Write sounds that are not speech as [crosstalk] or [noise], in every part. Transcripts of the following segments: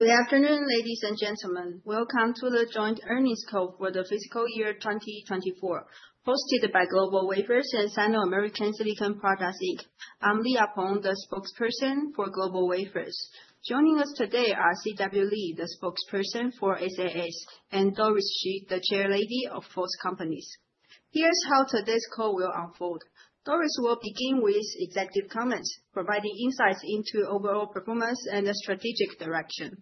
Good afternoon, ladies and gentlemen. Welcome to the Joint Earnings Call for the Fiscal Year 2024, hosted by GlobalWafers and Sino-American Silicon Products Inc. I'm Leah Peng, the spokesperson for GlobalWafers. Joining us today are CW Lee, the spokesperson for SAS, and Doris Hsu, the chair lady of GlobalWafers. Here's how today's call will unfold. Doris will begin with executive comments, providing insights into overall performance and strategic direction.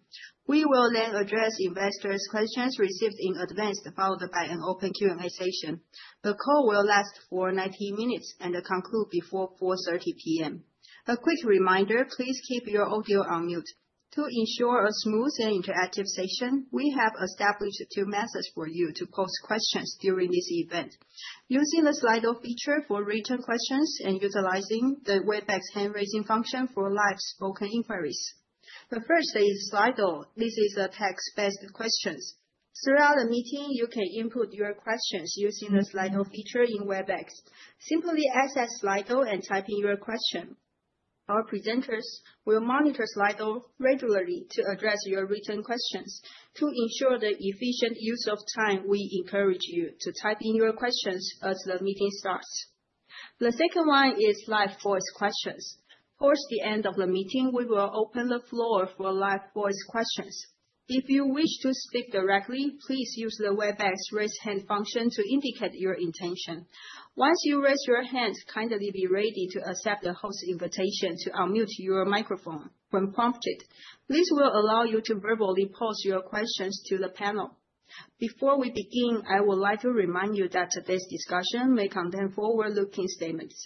We will then address investors' questions received in advance, followed by an open Q&A session. The call will last for 90 minutes and conclude before 4:30 P.M. A quick reminder, please keep your audio on mute. To ensure a smooth and interactive session, we have established two methods for you to post questions during this event, using the Slido feature for written questions and utilizing the Webex hand-raising function for live spoken inquiries. The first is Slido. This is a text-based question. Throughout the meeting, you can input your questions using the Slido feature in Webex. Simply access Slido and type in your question. Our presenters will monitor Slido regularly to address your written questions. To ensure the efficient use of time, we encourage you to type in your questions as the meeting starts. The second one is live voice questions. Towards the end of the meeting, we will open the floor for live voice questions. If you wish to speak directly, please use the Webex raise hand function to indicate your intention. Once you raise your hand, kindly be ready to accept the host invitation to unmute your microphone when prompted. This will allow you to verbally pose your questions to the panel. Before we begin, I would like to remind you that today's discussion may contain forward-looking statements.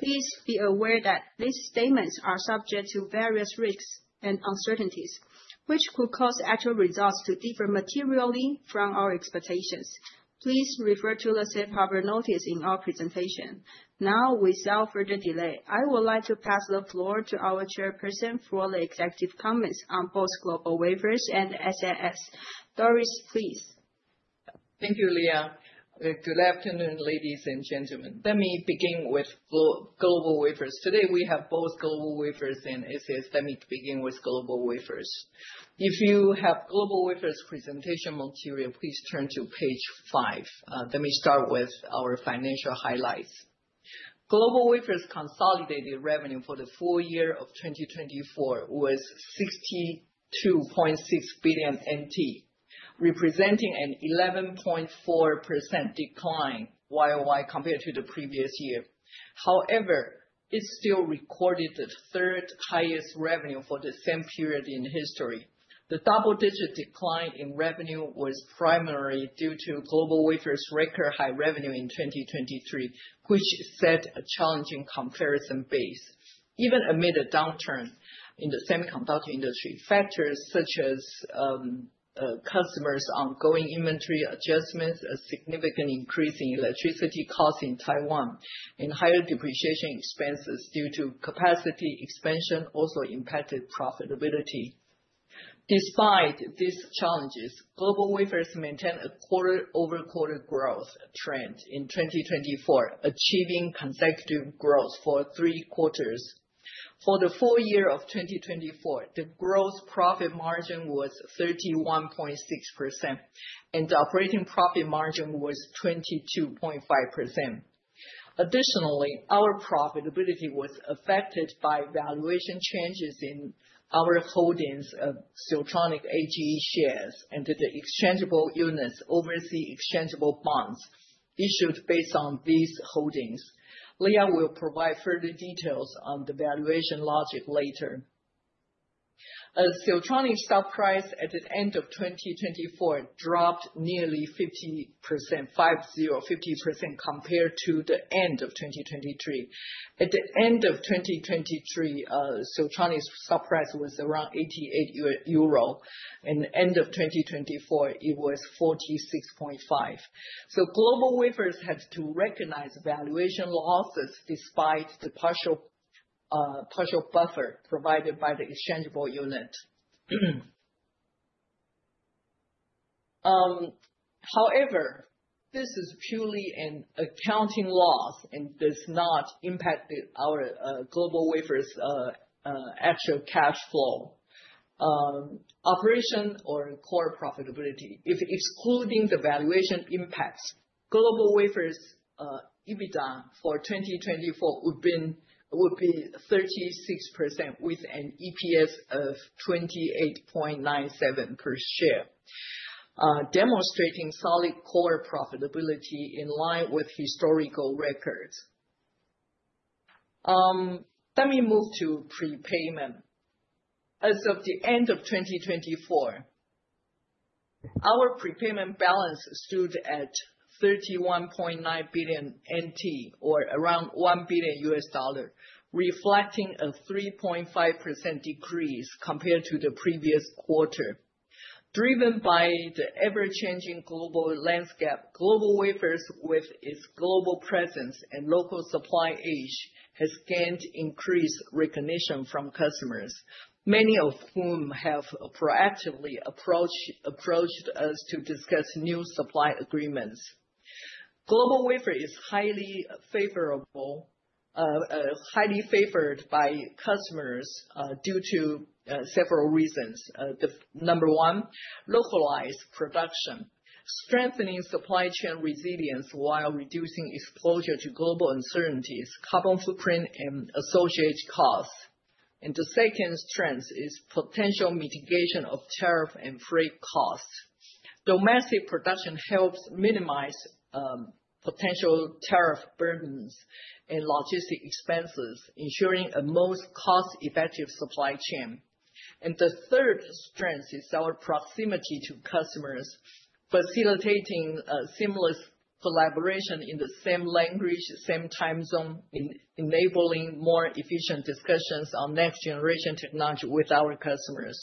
Please be aware that these statements are subject to various risks and uncertainties, which could cause actual results to differ materially from our expectations. Please refer to the safe harbor notice in our presentation. Now, without further delay, I would like to pass the floor to our chairperson for the executive comments on both GlobalWafers and SAS. Doris, please. Thank you, Leah. Good afternoon, ladies and gentlemen. Let me begin with GlobalWafers. Today, we have both GlobalWafers and SAS. Let me begin with GlobalWafers. If you have GlobalWafers presentation material, please turn to page five. Let me start with our financial highlights. GlobalWafers consolidated revenue for the full year of 2024 was 62.6 billion NT, representing an 11.4% decline year-on-year compared to the previous year. However, it still recorded the third highest revenue for the same period in history. The double-digit decline in revenue was primarily due to GlobalWafers' record high revenue in 2023, which set a challenging comparison base. Even amid a downturn in the semiconductor industry, factors such as customers' ongoing inventory adjustments, a significant increase in electricity costs in Taiwan, and higher depreciation expenses due to capacity expansion also impacted profitability. Despite these challenges, GlobalWafers maintained a quarter-over-quarter growth trend in 2024, achieving consecutive growth for three quarters. For the full year of 2024, the gross profit margin was 31.6%, and the operating profit margin was 22.5%. Additionally, our profitability was affected by valuation changes in our holdings of Siltronic AG shares and the exchangeable units overseas exchangeable bonds issued based on these holdings. Leah will provide further details on the valuation logic later. Siltronic's stock price at the end of 2024 dropped nearly 50%, 50% compared to the end of 2023. At the end of 2023, Siltronic's stock price was around 88 euro, and at the end of 2024, it was 46.5. So GlobalWafers had to recognize valuation losses despite the partial buffer provided by the exchangeable unit. However, this is purely an accounting loss and does not impact our GlobalWafers' actual cash flow operation or core profitability. If excluding the valuation impacts, GlobalWafers' EBITDA for 2024 would be 36% with an EPS of 28.97 per share, demonstrating solid core profitability in line with historical records. Let me move to prepayment. As of the end of 2024, our prepayment balance stood at NT 31.9 billion, or around $1 billion, reflecting a 3.5% decrease compared to the previous quarter. Driven by the ever-changing global landscape, GlobalWafers, with its global presence and local supply edge, has gained increased recognition from customers, many of whom have proactively approached us to discuss new supply agreements. GlobalWafers is highly favored by customers due to several reasons. Number one, localized production, strengthening supply chain resilience while reducing exposure to global uncertainties, carbon footprint, and associated costs. And the second strength is potential mitigation of tariff and freight costs. Domestic production helps minimize potential tariff burdens and logistic expenses, ensuring a most cost-effective supply chain. And the third strength is our proximity to customers, facilitating seamless collaboration in the same language, same time zone, enabling more efficient discussions on next-generation technology with our customers.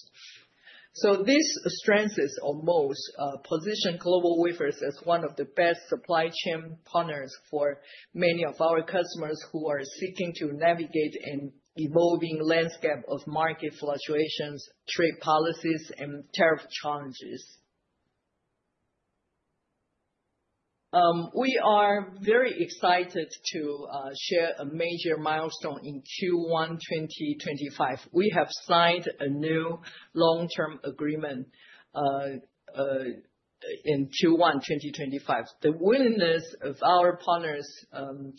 So these strengths most position GlobalWafers as one of the best supply chain partners for many of our customers who are seeking to navigate an evolving landscape of market fluctuations, trade policies, and tariff challenges. We are very excited to share a major milestone in Q1 2025. We have signed a new long-term agreement in Q1 2025. The willingness of our partners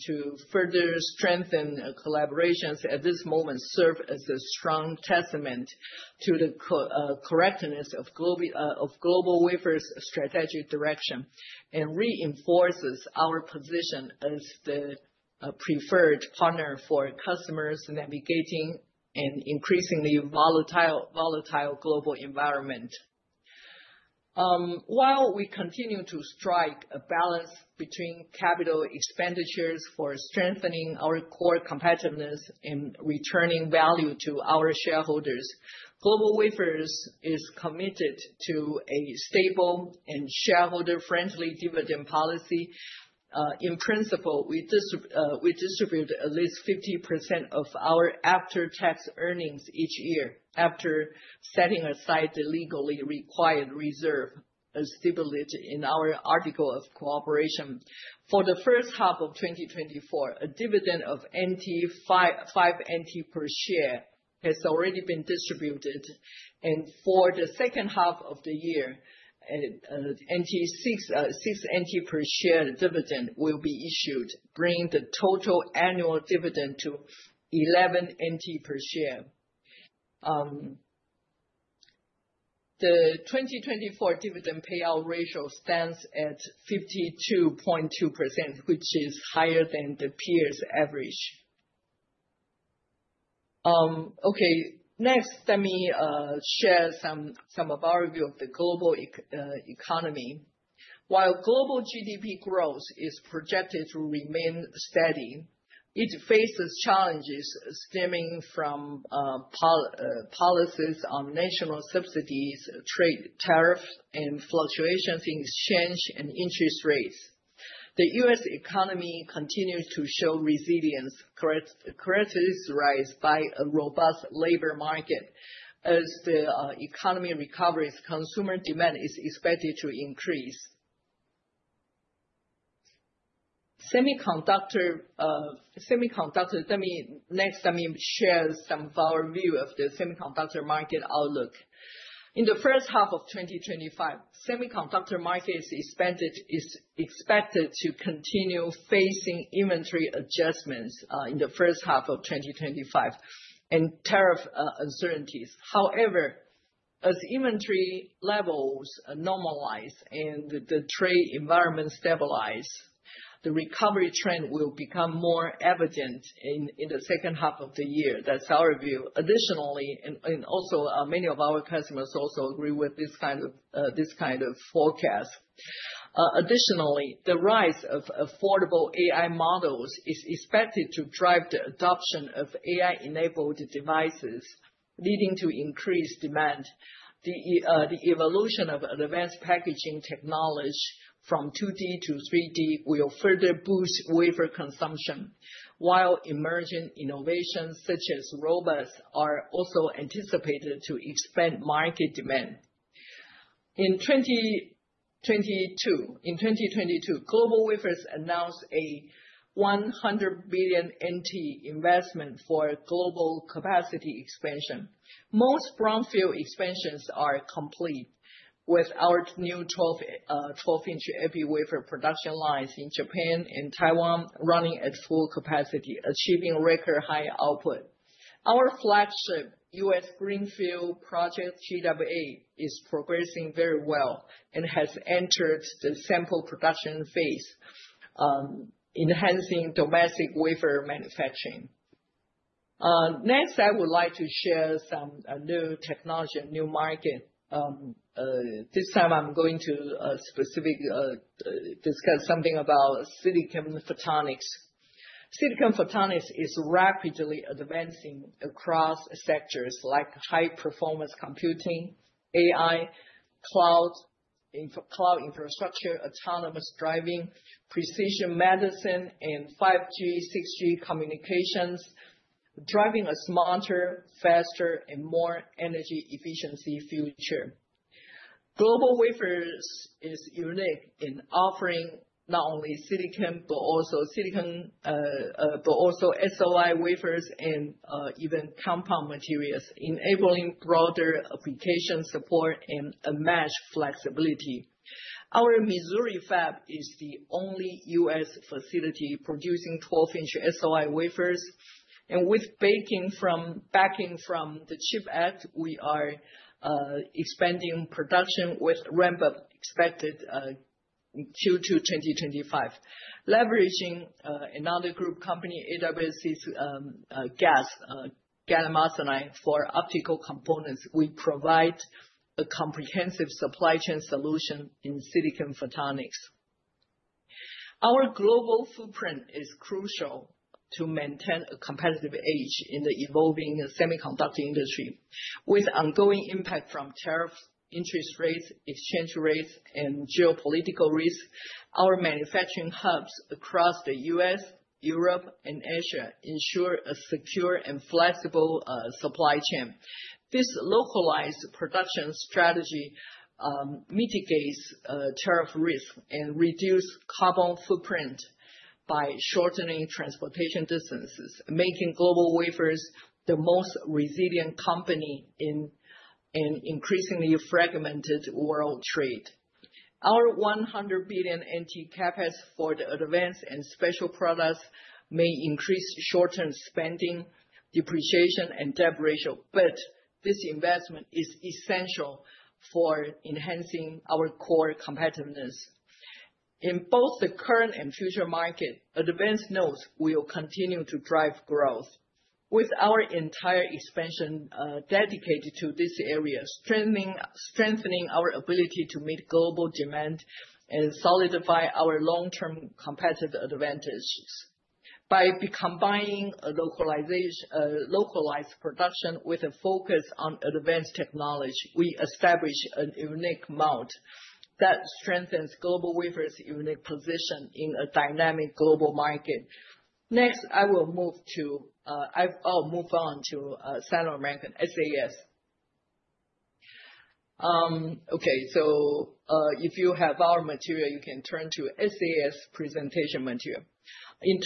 to further strengthen collaborations at this moment serves as a strong testament to the correctness of GlobalWafers' strategic direction and reinforces our position as the preferred partner for customers navigating an increasingly volatile global environment. While we continue to strike a balance between capital expenditures for strengthening our core competitiveness and returning value to our shareholders, GlobalWafers is committed to a stable and shareholder-friendly dividend policy. In principle, we distribute at least 50% of our after-tax earnings each year after setting aside the legally required reserve as stipulated in our article of cooperation. For the first half of 2024, a dividend of 5 NT per share has already been distributed, and for the second half of the year, 6 NT per share dividend will be issued, bringing the total annual dividend to 11 NT per share. The 2024 dividend payout ratio stands at 52.2%, which is higher than the peer's average. Okay, next, let me share some of our view of the global economy. While global GDP growth is projected to remain steady, it faces challenges stemming from policies on national subsidies, trade tariffs, and fluctuations in exchange and interest rates. The U.S. economy continues to show resilience, characterized by a robust labor market. As the economy recovers, consumer demand is expected to increase. Semiconductor. Let me share some of our view of the semiconductor market outlook. In the first half of 2025, semiconductor markets expected to continue facing inventory adjustments and tariff uncertainties. However, as inventory levels normalize and the trade environment stabilizes, the recovery trend will become more evident in the second half of the year. That's our view. Additionally, many of our customers agree with this kind of forecast. Additionally, the rise of affordable AI models is expected to drive the adoption of AI-enabled devices, leading to increased demand. The evolution of advanced packaging technology from 2D to 3D will further boost wafer consumption, while emerging innovations such as robots are also anticipated to expand market demand. In 2022, GlobalWafers announced a 100 billion NT investment for global capacity expansion. Most brownfield expansions are complete, with our new 12-inch heavy wafer production lines in Japan and Taiwan running at full capacity, achieving record high output. Our flagship U.S. greenfield project, GWA, is progressing very well and has entered the sample production phase, enhancing domestic wafer manufacturing. Next, I would like to share some new technology, new market. This time, I'm going to specifically discuss something about silicon photonics. Silicon photonics is rapidly advancing across sectors like high-performance computing, AI, cloud, cloud infrastructure, autonomous driving, precision medicine, and 5G, 6G communications, driving a smarter, faster, and more energy-efficient future. GlobalWafers is unique in offering not only silicon, but also SOI wafers and even compound materials, enabling broader application support and unmatched flexibility. Our Missouri fab is the only U.S. facility producing 12-inch SOI wafers, and with backing from the CHIPS Act, we are expanding production with ramp-up expected in 2025. Leveraging another group company, AWSC's GaAs, gallium arsenide for optical components, we provide a comprehensive supply chain solution in silicon photonics. Our global footprint is crucial to maintain a competitive edge in the evolving semiconductor industry. With ongoing impact from tariffs, interest rates, exchange rates, and geopolitical risks, our manufacturing hubs across the U.S., Europe, and Asia ensure a secure and flexible supply chain. This localized production strategy mitigates tariff risk and reduces carbon footprint by shortening transportation distances, making GlobalWafers the most resilient company in an increasingly fragmented world trade. Our 100 billion NT CapEx for the advanced and special products may increase short-term spending, depreciation, and debt ratio, but this investment is essential for enhancing our core competitiveness. In both the current and future market, advanced nodes will continue to drive growth. With our entire expansion dedicated to this area, strengthening our ability to meet global demand and solidify our long-term competitive advantages. By combining localized production with a focus on advanced technology, we establish a unique moat that strengthens GlobalWafers' unique position in a dynamic global market. Next, I will move to, I'll move on to Sino-American SAS. Okay, so if you have our material, you can turn to SAS presentation material. In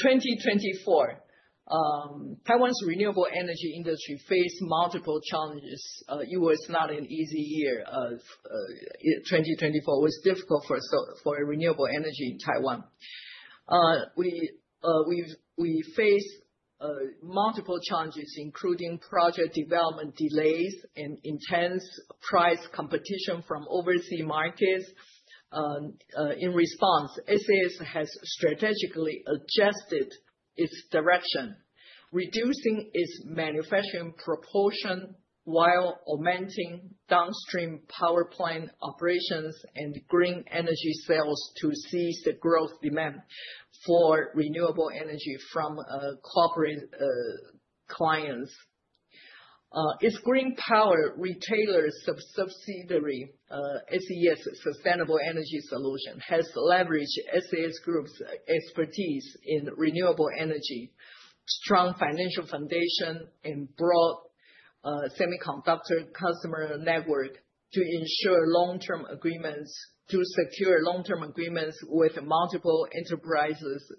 2024, Taiwan's renewable energy industry faced multiple challenges. It was not an easy year. 2024 was difficult for renewable energy in Taiwan. We faced multiple challenges, including project development delays and intense price competition from overseas markets. In response, SAS has strategically adjusted its direction, reducing its manufacturing proportion while augmenting downstream power plant operations and green energy sales to seize the growth demand for renewable energy from corporate clients. Its green power retailer subsidiary, SES Sustainable Energy Solution, has leveraged SAS Group's expertise in renewable energy, strong financial foundation, and broad semiconductor customer network to ensure long-term agreements with multiple enterprises.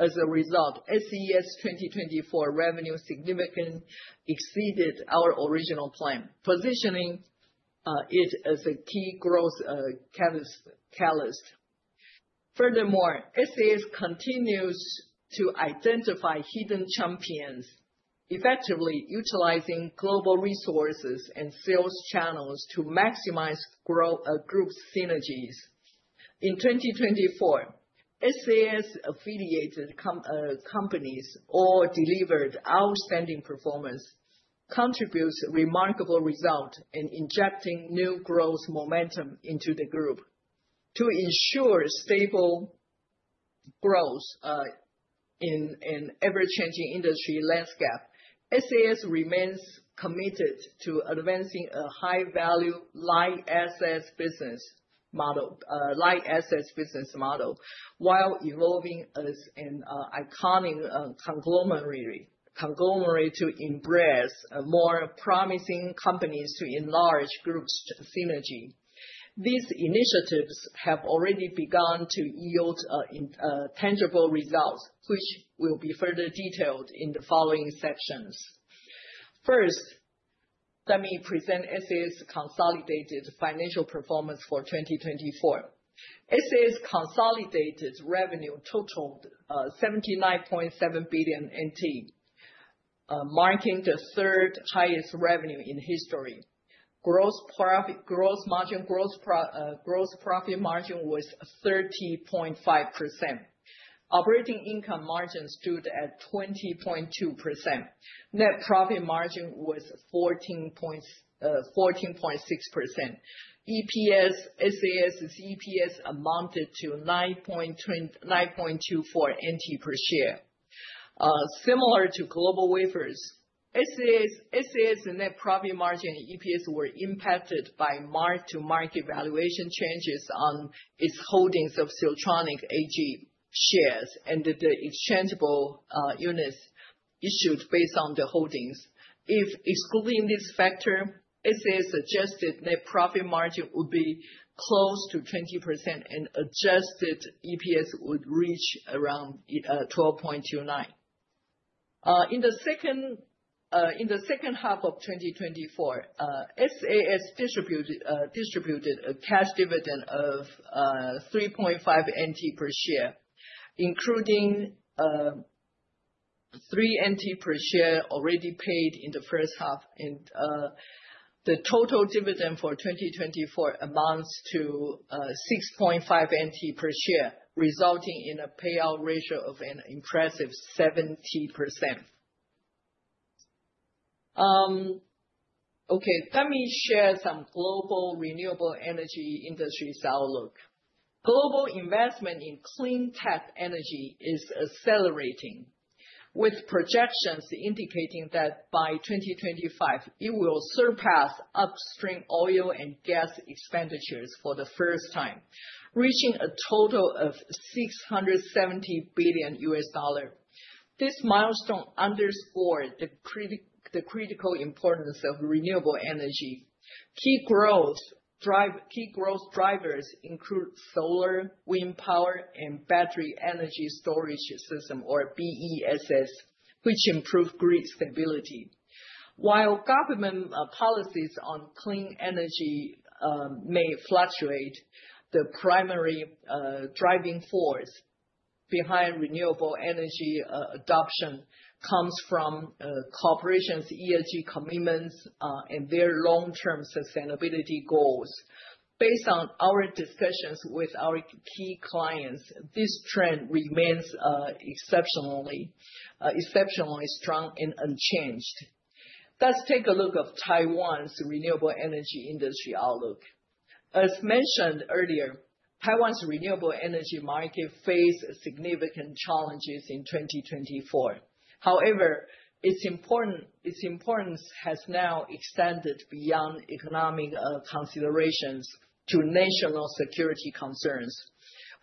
As a result, SES 2024 revenue significantly exceeded our original plan, positioning it as a key growth catalyst. Furthermore, SAS continues to identify hidden champions, effectively utilizing global resources and sales channels to maximize group synergies. In 2024, SAS-affiliated companies all delivered outstanding performance, contributing remarkable results and injecting new growth momentum into the group. To ensure stable growth in an ever-changing industry landscape, SAS remains committed to advancing a high-value light assets business model, while evolving as an iconic conglomerate to embrace more promising companies to enlarge group synergy. These initiatives have already begun to yield tangible results, which will be further detailed in the following sections. First, let me present SAS consolidated financial performance for 2024. SAS consolidated revenue totaled 79.7 billion NT, marking the third highest revenue in history. Gross margin growth profit margin was 30.5%. Operating income margin stood at 20.2%. Net profit margin was 14.6%. EPS, SAS's EPS amounted to 9.24 NT per share. Similar to GlobalWafers, SAS net profit margin and EPS were impacted by mark-to-market valuation changes on its holdings of Siltronic AG shares and the exchangeable units issued based on the holdings. If excluding this factor, SAS suggested net profit margin would be close to 20% and adjusted EPS would reach around 12.29. In the second half of 2024, SAS distributed a cash dividend of 3.5 NT per share, including 3 NT per share already paid in the first half, and the total dividend for 2024 amounts to 6.5 NT per share, resulting in a payout ratio of an impressive 70%. Okay, let me share some global renewable energy industry's outlook. Global investment in clean tech energy is accelerating, with projections indicating that by 2025, it will surpass upstream oil and gas expenditures for the first time, reaching a total of $670 billion. This milestone underscores the critical importance of renewable energy. Key growth drivers include solar, wind power, and Battery Energy Storage System, or BESS, which improve grid stability. While government policies on clean energy may fluctuate, the primary driving force behind renewable energy adoption comes from corporations' ESG commitments and their long-term sustainability goals. Based on our discussions with our key clients, this trend remains exceptionally strong and unchanged. Let's take a look at Taiwan's renewable energy industry outlook. As mentioned earlier, Taiwan's renewable energy market faced significant challenges in 2024. However, its importance has now extended beyond economic considerations to national security concerns.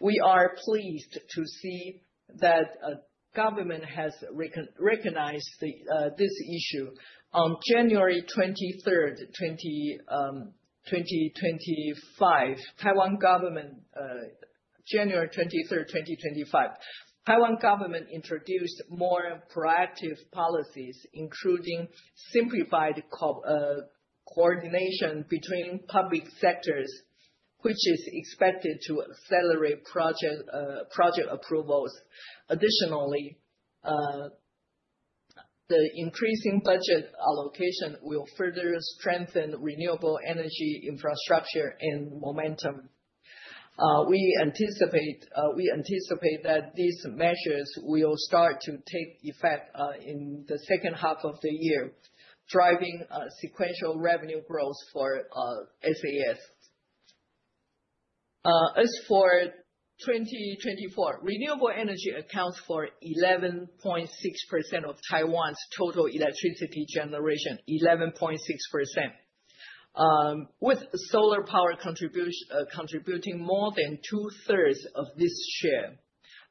We are pleased to see that the government has recognized this issue. On January 23rd, 2025, Taiwan government introduced more proactive policies, including simplified coordination between public sectors, which is expected to accelerate project approvals. Additionally, the increasing budget allocation will further strengthen renewable energy infrastructure and momentum. We anticipate that these measures will start to take effect in the second half of the year, driving sequential revenue growth for SAS. As for 2024, renewable energy accounts for 11.6% of Taiwan's total electricity generation, 11.6%, with solar power contributing more than two-thirds of this share.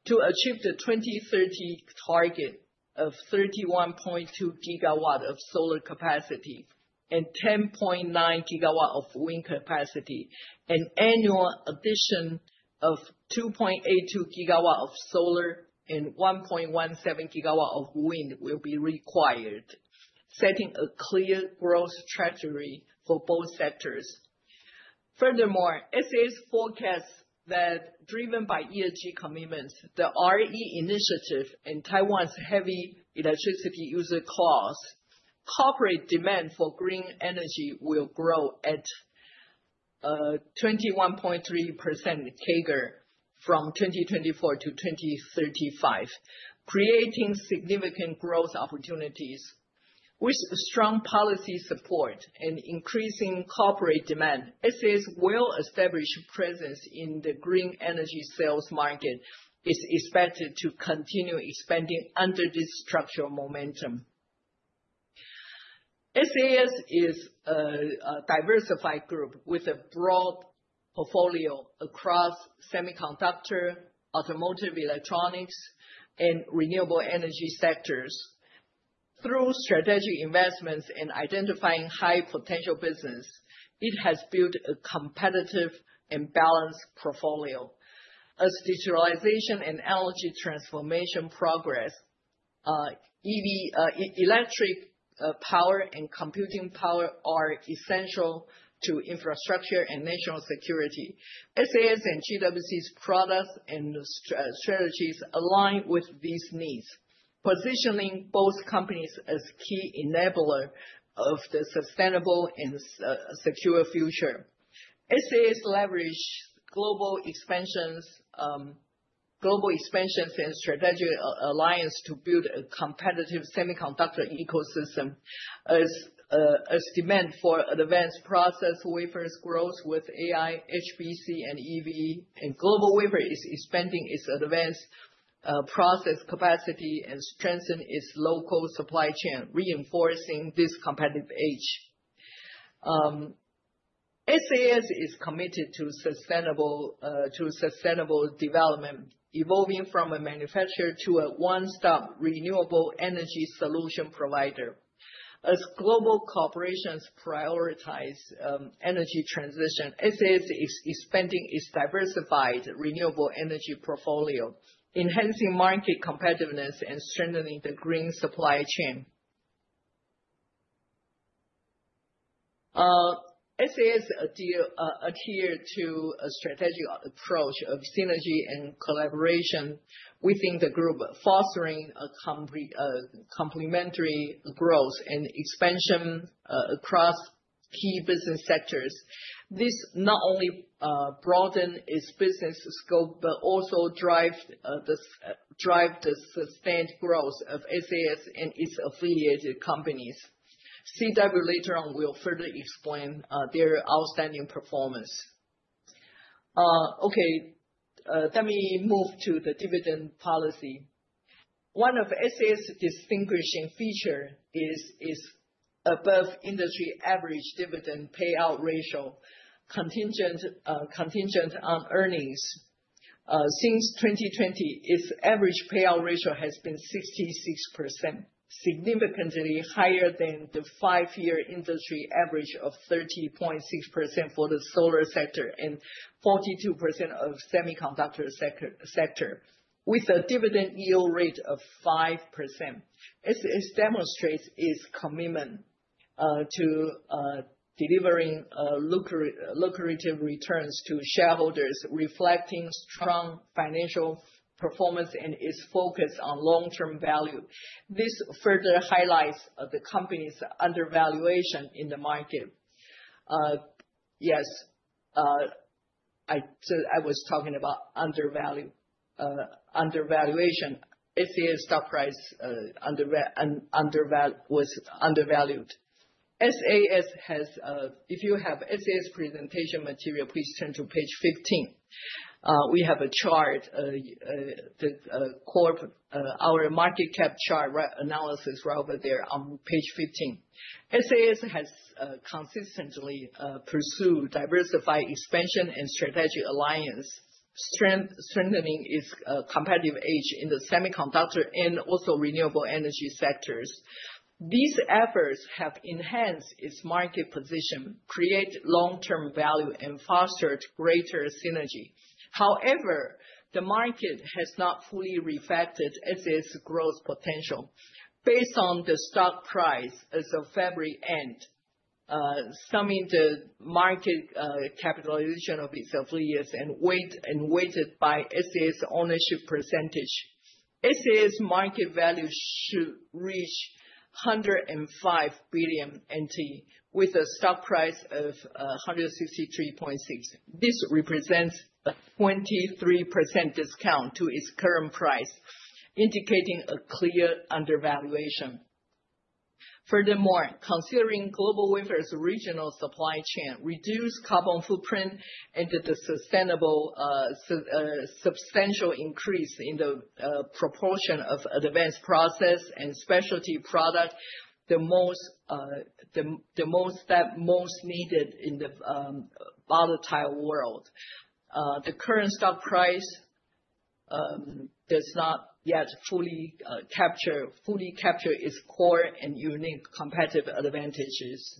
To achieve the 2030 target of 31.2 gigawatts of solar capacity and 10.9 gigawatts of wind capacity, an annual addition of 2.82 gigawatts of solar and 1.17 gigawatts of wind will be required, setting a clear growth trajectory for both sectors. Furthermore, SAS forecasts that, driven by ESG commitments, the RE initiative and Taiwan's heavy electricity user costs, corporate demand for green energy will grow at 21.3% CAGR from 2024 to 2035, creating significant growth opportunities. With strong policy support and increasing corporate demand, SAS will establish a presence in the green energy sales market. It's expected to continue expanding under this structural momentum. SAS is a diversified group with a broad portfolio across semiconductor, automotive, electronics, and renewable energy sectors. Through strategic investments and identifying high-potential business, it has built a competitive and balanced portfolio. As digitalization and energy transformation progress, electric power and computing power are essential to infrastructure and national security. SAS and GWC's products and strategies align with these needs, positioning both companies as key enablers of the sustainable and secure future. SAS leveraged global expansions and strategic alliances to build a competitive semiconductor ecosystem. As demand for advanced process wafers grows with AI, HPC, and EV, and GlobalWafers is expanding its advanced process capacity and strengthening its local supply chain, reinforcing this competitive edge. SAS is committed to sustainable development, evolving from a manufacturer to a one-stop renewable energy solution provider. As global corporations prioritize energy transition, SAS is expanding its diversified renewable energy portfolio, enhancing market competitiveness and strengthening the green supply chain. SAS adheres to a strategic approach of synergy and collaboration within the group, fostering a complementary growth and expansion across key business sectors. This not only broadens its business scope but also drives the sustained growth of SAS and its affiliated companies. CW Lee. Later on will further explain their outstanding performance. Okay, let me move to the dividend policy. One of SAS's distinguishing features is above-industry average dividend payout ratio, contingent on earnings. Since 2020, its average payout ratio has been 66%, significantly higher than the five-year industry average of 30.6% for the solar sector and 42% of the semiconductor sector, with a dividend yield rate of 5%. SAS demonstrates its commitment to delivering lucrative returns to shareholders, reflecting strong financial performance and its focus on long-term value. This further highlights the company's undervaluation in the market. Yes, I was talking about undervaluation. SAS stock price was undervalued. SAS has, if you have SAS presentation material, please turn to page 15. We have a chart, our market cap chart analysis right over there on page 15. SAS has consistently pursued diversified expansion and strategic alliances, strengthening its competitive edge in the semiconductor and also renewable energy sectors. These efforts have enhanced its market position, created long-term value, and fostered greater synergy. However, the market has not fully reflected SAS's growth potential. Based on the stock price as of February end, summing the market capitalization of its affiliates and weighted by SAS ownership percentage, SAS market value should reach 105 billion NT, with a stock price of 163.6. This represents a 23% discount to its current price, indicating a clear undervaluation. Furthermore, considering GlobalWafers' regional supply chain, reduced carbon footprint, and the substantial increase in the proportion of advanced process and specialty products, the most needed in the volatile world. The current stock price does not yet fully capture its core and unique competitive advantages.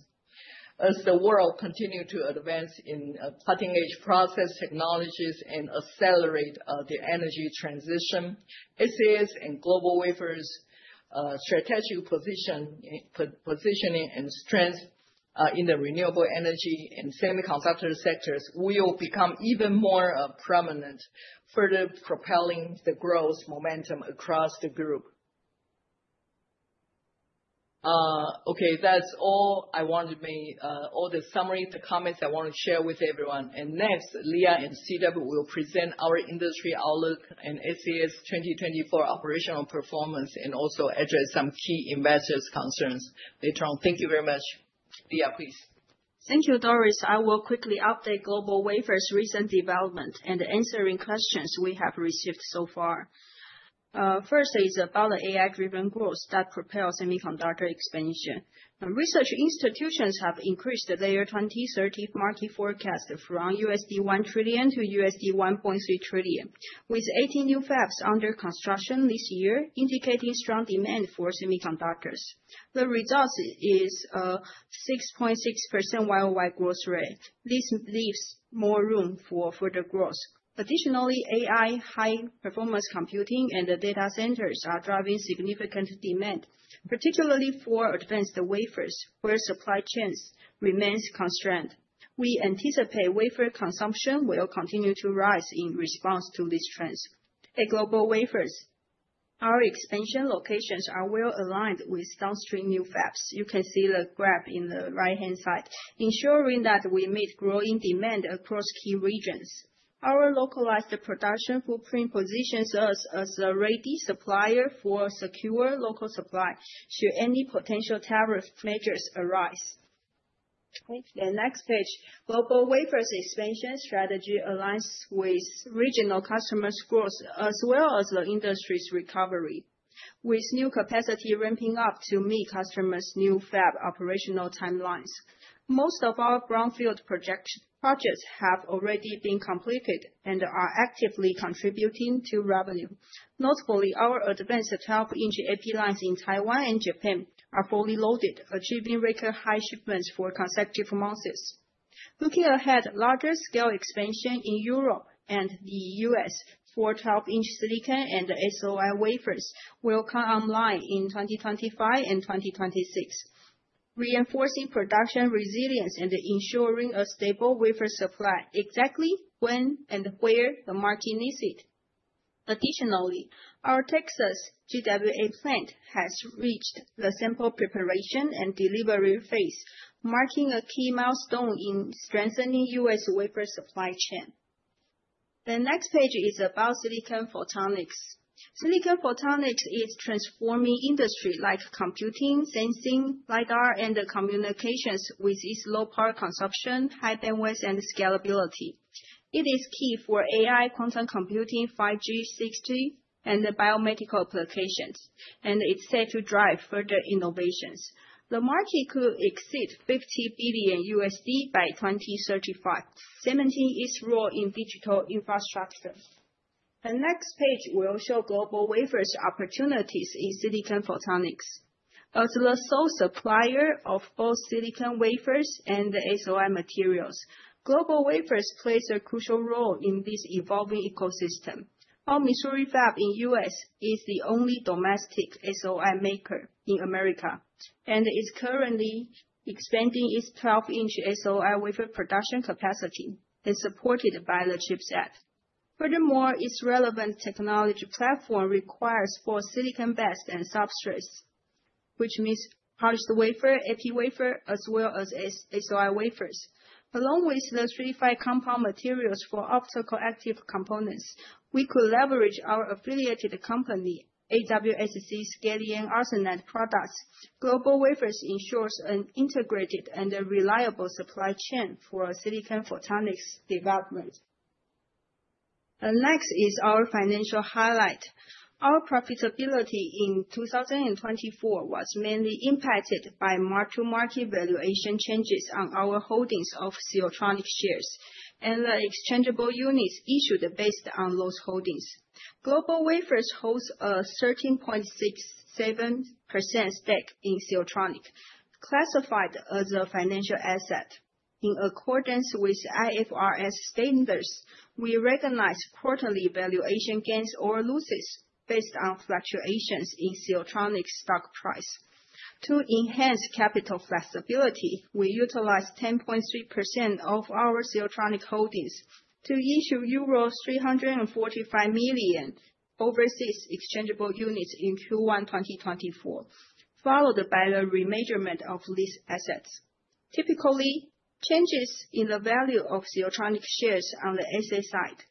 As the world continues to advance in cutting-edge process technologies and accelerate the energy transition, SAS and GlobalWafers' strategic positioning and strength in the renewable energy and semiconductor sectors will become even more prominent, further propelling the growth momentum across the group. Okay, that's all I wanted to make, all the summary, the comments I want to share with everyone. And next, Leah and CW will present our industry outlook and SAS 2024 operational performance and also address some key investors' concerns. Later on, thank you very much. Leah, please. Thank you, Doris. I will quickly update GlobalWafers' recent development and answering questions we have received so far. First is about the AI-driven growth that propels semiconductor expansion. Research institutions have increased their 2030 market forecast from $1 trillion to $1.3 trillion, with 18 new fabs under construction this year, indicating strong demand for semiconductors. The result is a 6.6% worldwide growth rate. This leaves more room for further growth. Additionally, AI, high-performance computing, and data centers are driving significant demand, particularly for advanced wafers, where supply chains remain constrained. We anticipate wafer consumption will continue to rise in response to these trends. At GlobalWafers, our expansion locations are well aligned with downstream new fabs. You can see the graph on the right-hand side, ensuring that we meet growing demand across key regions. Our localized production footprint positions us as a ready supplier for secure local supply to any potential tariff measures arise. Okay, next page. GlobalWafers' expansion strategy aligns with regional customers' growth as well as the industry's recovery, with new capacity ramping up to meet customers' new fab operational timelines. Most of our brownfield projects have already been completed and are actively contributing to revenue. Notably, our advanced 12-inch AP lines in Taiwan and Japan are fully loaded, achieving record high shipments for consecutive months. Looking ahead, larger-scale expansion in Europe and the U.S. for 12-inch silicon and SOI wafers will come online in 2025 and 2026, reinforcing production resilience and ensuring a stable wafer supply exactly when and where the market needs it. Additionally, our Texas GWA plant has reached the sample preparation and delivery phase, marking a key milestone in strengthening U.S. wafer supply chain. The next page is about silicon photonics. Silicon photonics is transforming industries like computing, sensing, LiDAR, and communications with its low power consumption, high bandwidth, and scalability. It is key for AI, quantum computing, 5G, 6G, and biomedical applications, and it's set to drive further innovations. The market could exceed $50 billion by 2035, cementing its role in digital infrastructure. The next page will show GlobalWafers' opportunities in silicon photonics. As the sole supplier of both silicon wafers and the SOI materials, GlobalWafers plays a crucial role in this evolving ecosystem. Our Missouri fab in the U.S. is the only domestic SOI maker in America and is currently expanding its 12-inch SOI wafer production capacity and supported by the CHIPS Act. Furthermore, its relevant technology platform requires four silicon-based substrates, which means polished wafer, AP wafer, as well as SOI wafers. Along with the certified compound materials for optical active components, we could leverage our affiliated company, AWSC's Gallium Arsenide products. GlobalWafers ensures an integrated and reliable supply chain for silicon photonics development. Next is our financial highlight. Our profitability in 2024 was mainly impacted by mark-to-market valuation changes on our holdings of Siltronic shares and the exchangeable units issued based on those holdings. GlobalWafers holds a 13.67% stake in Siltronic, classified as a financial asset. In accordance with IFRS standards, we recognize quarterly valuation gains or losses based on fluctuations in Siltronic's stock price. To enhance capital flexibility, we utilize 10.3% of our Siltronic holdings to issue euros 345 million overseas exchangeable units in Q1 2024, followed by the remeasurement of these assets. Typically, changes in the value of Siltronic shares on the asset side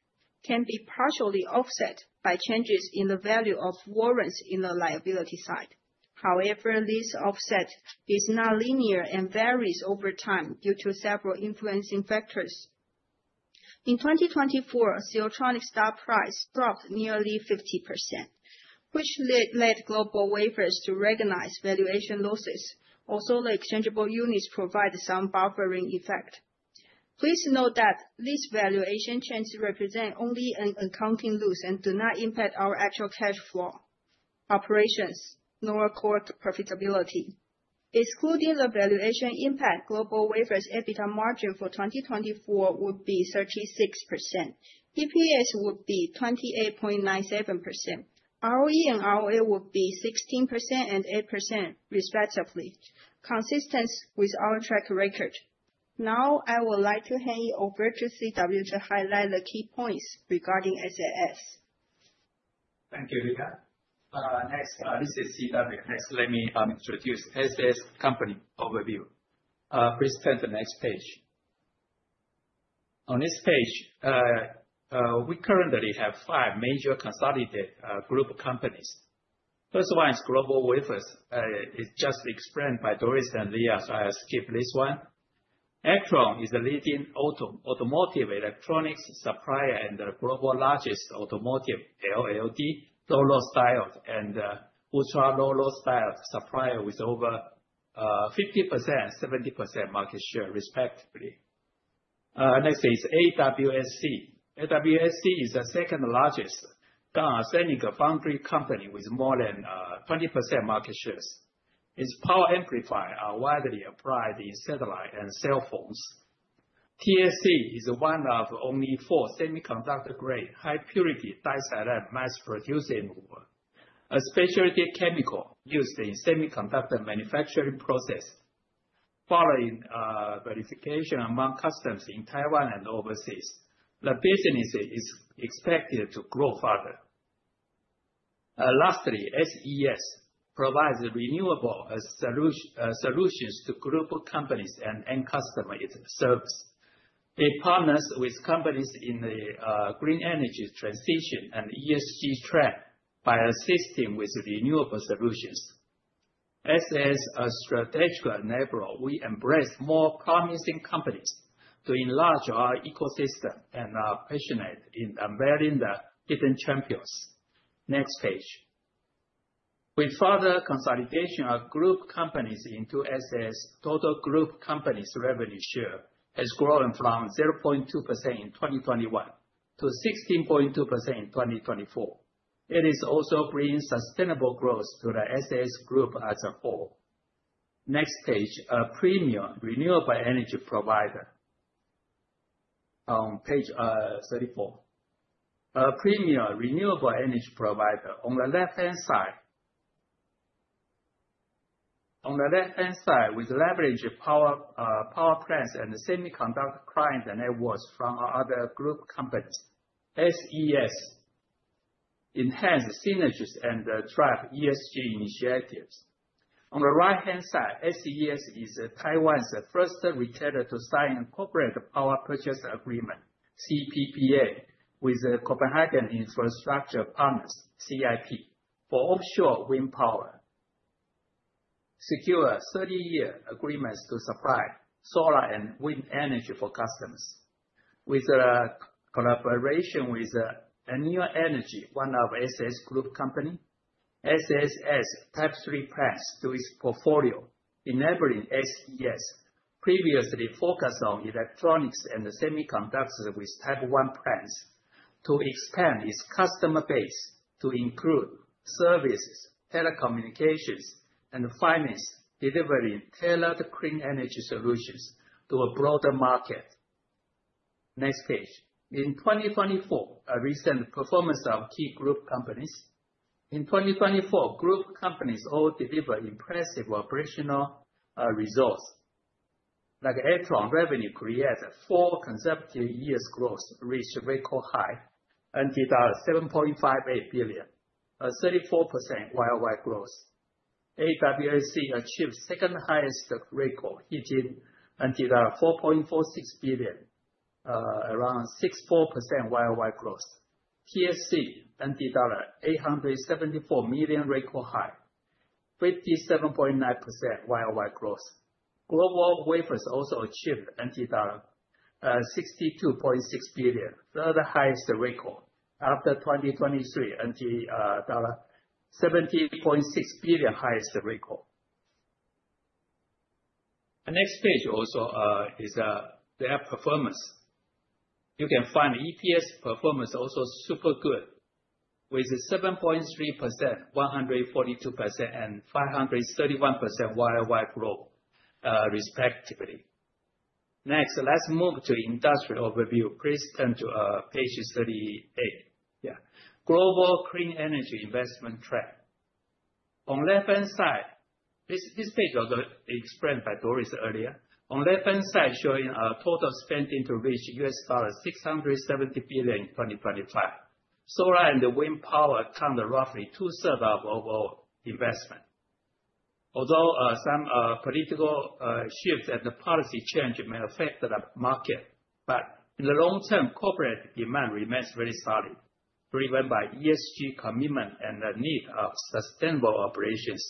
can be partially offset by changes in the value of warrants on the liability side. However, this offset is not linear and varies over time due to several influencing factors. In 2024, Siltronic's stock price dropped nearly 50%, which led GlobalWafers to recognize valuation losses. Also, the exchangeable units provide some buffering effect. Please note that these valuation changes represent only an accounting loss and do not impact our actual cash flow operations nor core profitability. Excluding the valuation impact, GlobalWafers' EBITDA margin for 2024 would be 36%. EPS would be 28.97%. ROE and ROA would be 16% and 8%, respectively, consistent with our track record. Now, I would like to hand you over to CW to highlight the key points regarding SAS. Thank you, Leah. Next, this is CW. Next, let me introduce SAS company overview. Please turn to the next page. On this page, we currently have five major consolidated group companies. First one is GlobalWafers. It's just explained by Doris and Leah, so I'll skip this one. Actron is a leading automotive electronics supplier and the global largest automotive LLD, low-loss diode, and ultra-low-loss diode supplier with over 50% and 70% market share, respectively. Next is AWSC. AWSC is the second largest semiconductor company with more than 20% market shares. Its power amplifiers are widely applied in satellite and cell phones. TSC is one of only four semiconductor-grade, high-purity dioxide mass-producing specialty chemicals used in semiconductor manufacturing processes. Following verification among customers in Taiwan and overseas, the business is expected to grow further. Lastly, SES provides renewable solutions to group companies and end customers' service. It partners with companies in the green energy transition and ESG trend by assisting with renewable solutions. As a strategic enabler, we embrace more promising companies to enlarge our ecosystem and are passionate in unveiling the hidden champions. Next page. With further consolidation of group companies into SAS, total group companies' revenue share has grown from 0.2% in 2021 to 16.2% in 2024. It is also bringing sustainable growth to the SAS group as a whole. Next page, a premier renewable energy provider. On page 34, a premier renewable energy provider on the left-hand side. On the left-hand side, with leveraged power plants and semiconductor client networks from other group companies, SES enhances synergies and drives ESG initiatives. On the right-hand side, SES is Taiwan's first retailer to sign a corporate power purchase agreement, CPPA, with Copenhagen Infrastructure Partners, CIP, for offshore wind power. Secure 30-year agreements to supply solar and wind energy for customers. With collaboration with Anue Energy, one of SAS group company, SAS adds Type III plants to its portfolio, enabling SES, previously focused on electronics and semiconductors with Type I plants, to expand its customer base to include services, telecommunications, and finance, delivering tailored clean energy solutions to a broader market. Next page. In 2024, a recent performance of key group companies. In 2024, group companies all delivered impressive operational results. Like Actron, revenue created four consecutive years' growth, reached record high, 7.58 billion, a 34% worldwide growth. AWSC achieved second-highest record, hitting NT dollar 4.46 billion, around 64% worldwide growth. TSC, dollar 874 million, record high, 57.9% worldwide growth. GlobalWafers also achieved 62.6 billion, third-highest record, after 2023, 70.6 billion, highest record. The next page also is their performance. You can find EPS performance also super good, with 7.3%, 142%, and 531% worldwide growth, respectively. Next, let's move to industrial overview. Please turn to page 38. Yeah, Global Clean Energy Investment Track. On the left-hand side, this page was explained by Doris earlier. On the left-hand side, showing total spending to reach $670 billion in 2025. Solar and wind power account roughly two-thirds of overall investment. Although some political shifts and policy changes may affect the market, in the long term, corporate demand remains very solid, driven by ESG commitment and the need of sustainable operations.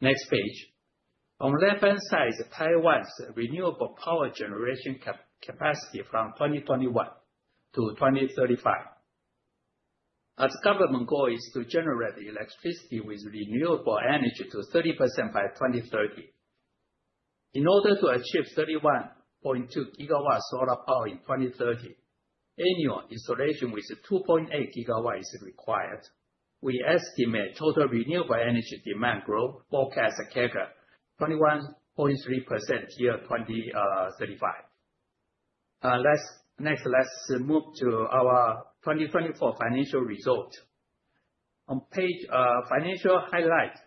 Next page. On the left-hand side is Taiwan's renewable power generation capacity from 2021 to 2035. Its government goal is to generate electricity with renewable energy to 30% by 2030. In order to achieve 31.2 gigawatts solar power in 2030, annual installation with 2.8 gigawatts is required. We estimate total renewable energy demand growth forecasts a CAGR of 21.3% year 2035. Next, let's move to our 2024 financial result. On the financial highlights page,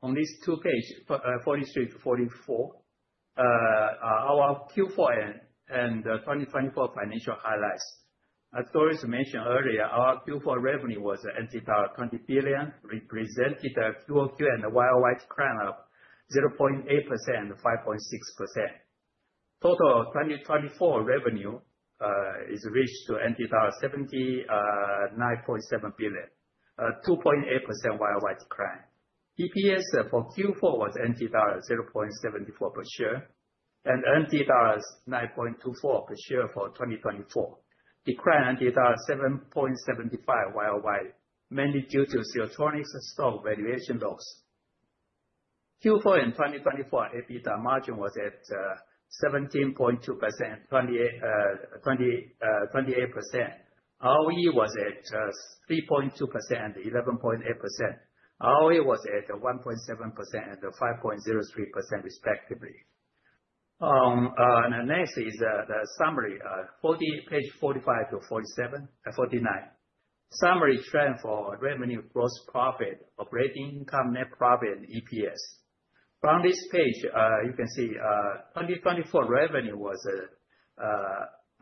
on these two pages, 43-44, our Q4 and 2024 financial highlights. As Doris mentioned earlier, our Q4 revenue was NTD 20 billion, represented QoQ and the year-over-year decline of 0.8% and 5.6%. Total 2024 revenue is reached to NTD 79.7 billion, 2.8% year-over-year decline. EPS for Q4 was NTD 0.74 per share and NTD 9.24 per share for 2024. Decline NTD 7.75 year-over-year, mainly due to Siltronic's stock valuation loss. Q4 and 2024 EBITDA margin was at 17.2% and 28%. ROE was at 3.2% and 11.8%. ROA was at 1.7% and 5.03%, respectively. On the next is the summary, page 45-49. Summary trend for revenue, gross profit, operating income, net profit, and EPS. From this page, you can see 2024 revenue was,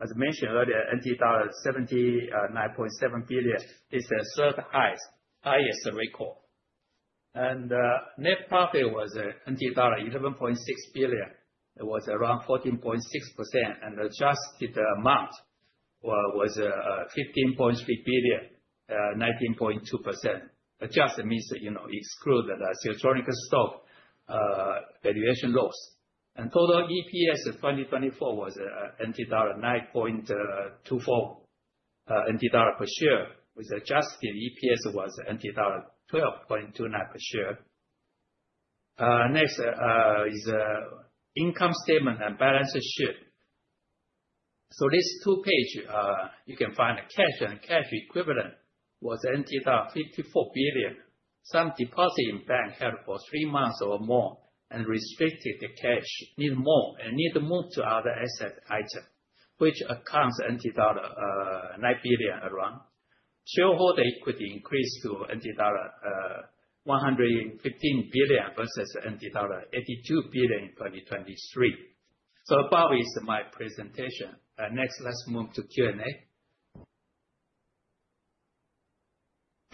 as mentioned earlier, NTD 79.7 billion. It's the third highest record, and net profit was NTD 11.6 billion. It was around 14.6%, and adjusted amount was TWD 15.3 billion, 19.2%. Adjusted means excluded Siltronic's stock valuation loss. The total EPS of 2024 was 9.24 NT dollar per share, with adjusted EPS was NT dollar 12.29 per share. Next is income statement and balance sheet. So these two pages, you can find the cash and cash equivalent was 54 billion. Some deposit in bank held for three months or more and restricted the cash need more and need to move to other asset item, which accounts NT dollar 9 billion around. Shareholder equity increased to NT dollar 115 billion versus NT dollar 82 billion in 2023. So above is my presentation. Next, let's move to Q&A.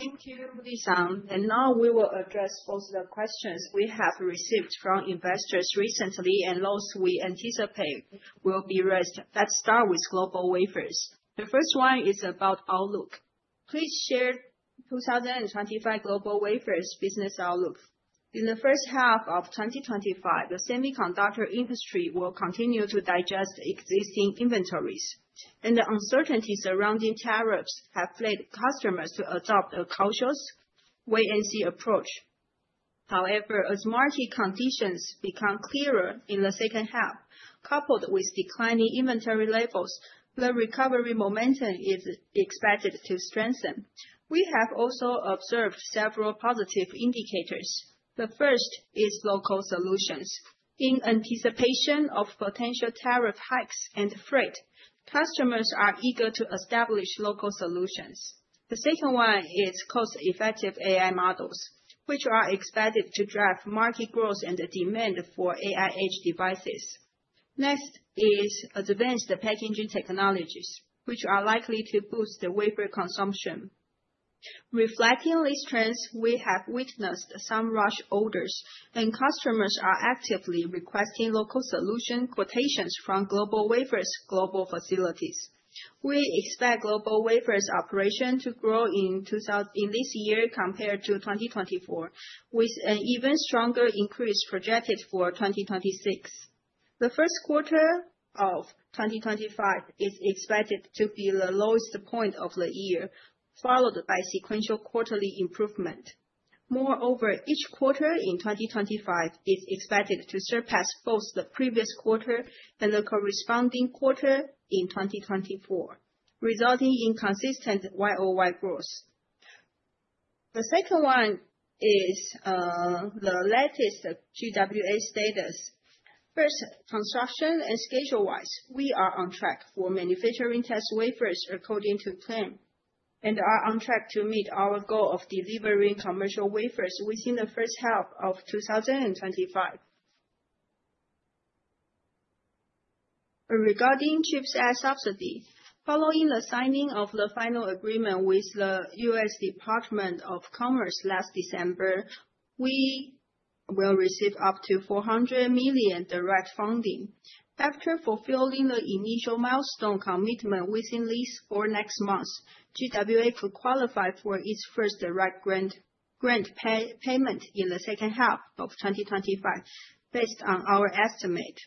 Thank you, Lee-san. Now we will address both the questions we have received from investors recently and those we anticipate will be raised. Let's start with GlobalWafers. The first one is about outlook. Please share 2025 GlobalWafers business outlook. In the first half of 2025, the semiconductor industry will continue to digest existing inventories, and the uncertainty surrounding tariffs have led customers to adopt a cautious wait-and-see approach. However, as market conditions become clearer in the second half, coupled with declining inventory levels, the recovery momentum is expected to strengthen. We have also observed several positive indicators. The first is local solutions. In anticipation of potential tariff hikes and freight, customers are eager to establish local solutions. The second one is cost-effective AI models, which are expected to drive market growth and demand for AI-edge devices. Next is advanced packaging technologies, which are likely to boost wafer consumption. Reflecting these trends, we have witnessed some rush orders, and customers are actively requesting local solution quotations from GlobalWafers' global facilities. We expect GlobalWafers' operation to grow in this year compared to 2024, with an even stronger increase projected for 2026. The first quarter of 2025 is expected to be the lowest point of the year, followed by sequential quarterly improvement. Moreover, each quarter in 2025 is expected to surpass both the previous quarter and the corresponding quarter in 2024, resulting in consistent double-digit growth. The second one is the latest GWA status. First, construction and schedule-wise, we are on track for manufacturing test wafers according to plan and are on track to meet our goal of delivering commercial wafers within the first half of 2025. Regarding CHIPS and subsidies, following the signing of the final agreement with the U.S. Department of Commerce last December, we will receive up to $400 million direct funding. After fulfilling the initial milestone commitment within the next four months, GWA could qualify for its first direct grant payment in the second half of 2025, based on our estimate.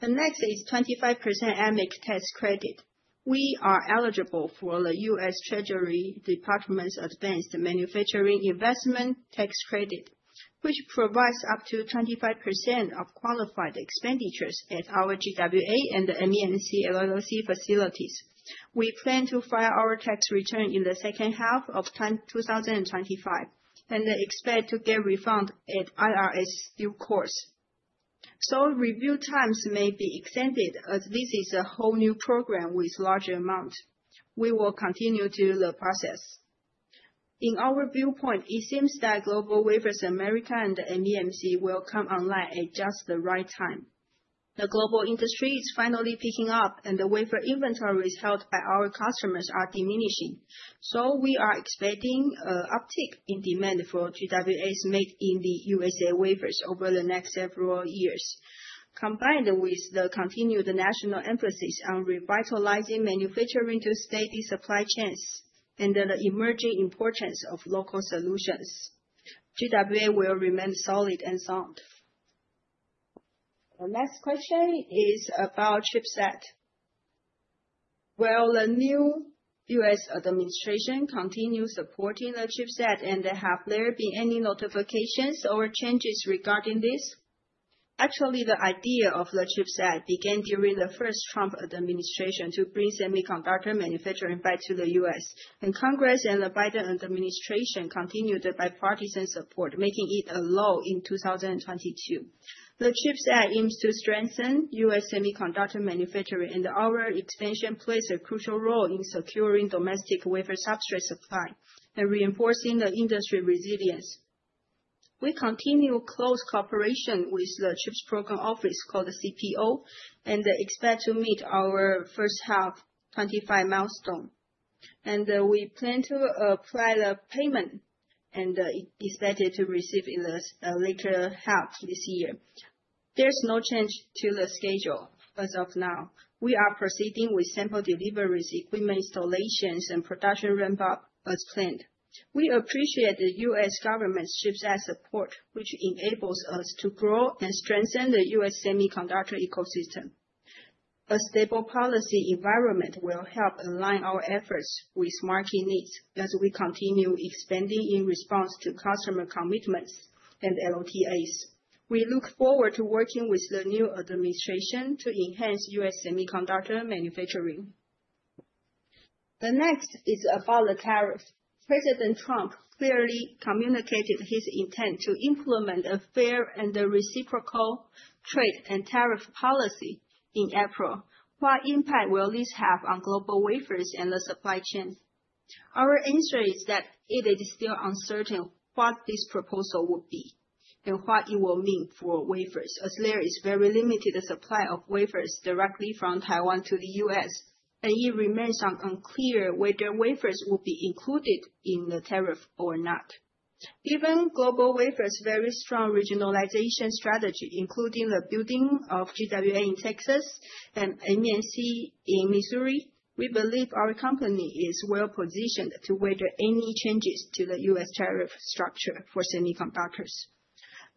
The next is 25% AMIC tax credit. We are eligible for the U.S. Treasury Department's Advanced Manufacturing Investment Tax Credit, which provides up to 25% of qualified expenditures at our GWA and MEMC LLC facilities. We plan to file our tax return in the second half of 2025 and expect to get refunded in due course. Review times may be extended as this is a whole new program with large amounts. We will continue the process. In our viewpoint, it seems that GlobalWafers America and MEMC will come online at just the right time. The global industry is finally picking up, and the wafer inventories held by our customers are diminishing. We are expecting an uptick in demand for GWA's made in the U.S.A wafers over the next several years, combined with the continued national emphasis on revitalizing manufacturing to secure the supply chains and the emerging importance of local solutions. GWA will remain solid and sound. The next question is about the CHIPS Act. Will the new U.S. administration continue supporting the CHIPS Act, and have there been any notifications or changes regarding this? Actually, the idea of the CHIPS Act began during the first Trump administration to bring semiconductor manufacturing back to the U.S., and Congress and the Biden administration continued the bipartisan support, making it a law in 2022. The CHIPS Act aims to strengthen U.S. semiconductor manufacturing, and our expansion plays a crucial role in securing domestic wafer substrate supply and reinforcing the industry resilience. We continue close cooperation with the CHIPS Program Office, called the CPO, and expect to meet our first half 2025 milestone, and we plan to apply for the payment and expect to receive it in the latter half this year. There's no change to the schedule as of now. We are proceeding with sample deliveries, equipment installations, and production ramp-up as planned. We appreciate the U.S. government's CHIPS Act support, which enables us to grow and strengthen the U.S. semiconductor ecosystem. A stable policy environment will help align our efforts with market needs as we continue expanding in response to customer commitments and LTAs. We look forward to working with the new administration to enhance U.S. semiconductor manufacturing. The next is about the tariff. President Trump clearly communicated his intent to implement a fair and reciprocal trade and tariff policy in April. What impact will this have on GlobalWafers and the supply chain? Our answer is that it is still uncertain what this proposal would be and what it will mean for wafers, as there is very limited supply of wafers directly from Taiwan to the U.S., and it remains unclear whether wafers will be included in the tariff or not. Given GlobalWafers' very strong regionalization strategy, including the building of GWA in Texas and MEMC in Missouri, we believe our company is well positioned to weather any changes to the U.S. tariff structure for semiconductors.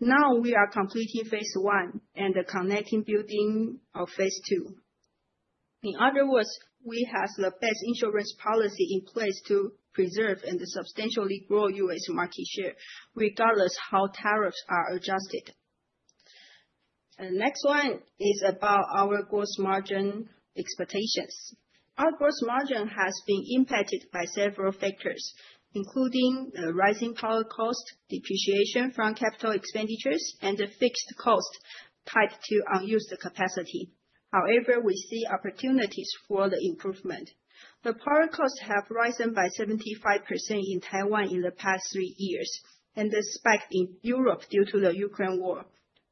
Now we are completing phase one and commencing building of phase two. In other words, we have the best insurance policy in place to preserve and substantially grow U.S. market share, regardless of how tariffs are adjusted. The next one is about our gross margin expectations. Our gross margin has been impacted by several factors, including the rising power cost, depreciation from capital expenditures, and the fixed cost tied to unused capacity. However, we see opportunities for the improvement. The power costs have risen by 75% in Taiwan in the past three years, and the spike in Europe due to the Ukraine war.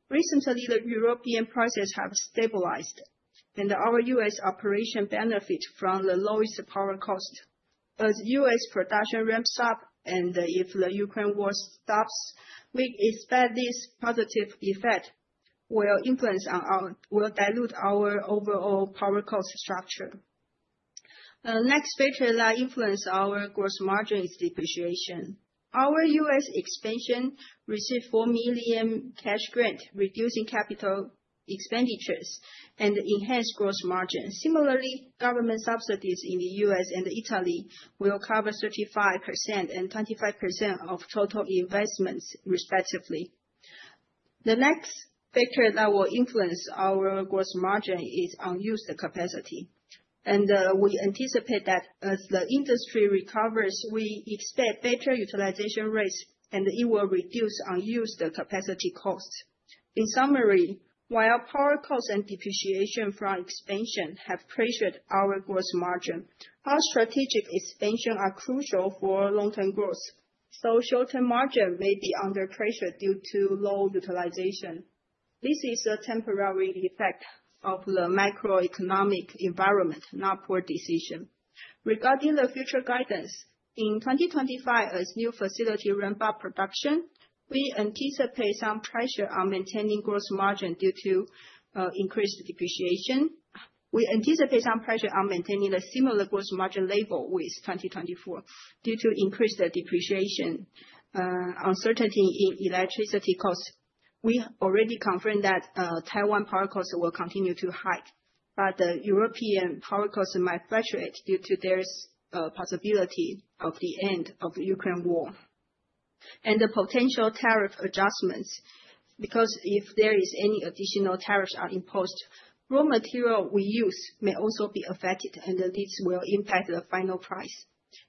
Recently, the European prices have stabilized, and our U.S. operation benefits from the lowest power cost. As U.S. production ramps up and if the Ukraine war stops, we expect this positive effect will dilute our overall power cost structure. The next factor that influences our gross margin is depreciation. Our U.S. expansion received $4 million cash grant, reducing capital expenditures and enhanced gross margin. Similarly, government subsidies in the U.S. and Italy will cover 35% and 25% of total investments, respectively. The next factor that will influence our gross margin is unused capacity. We anticipate that as the industry recovers, we expect better utilization rates, and it will reduce unused capacity costs. In summary, while power costs and depreciation from expansion have pressured our gross margin, our strategic expansion is crucial for long-term growth. Short-term margin may be under pressure due to low utilization. This is a temporary effect of the macroeconomic environment, not poor decision. Regarding the future guidance, in 2025, as new facilities ramp up production, we anticipate some pressure on maintaining gross margin due to increased depreciation. We anticipate some pressure on maintaining a similar gross margin level with 2024 due to increased depreciation uncertainty in electricity costs. We already confirmed that Taiwan power costs will continue to hike, but the European power costs may fluctuate due to there's possibility of the end of the Ukraine war and the potential tariff adjustments, because if there is any additional tariffs imposed, raw material we use may also be affected, and this will impact the final price.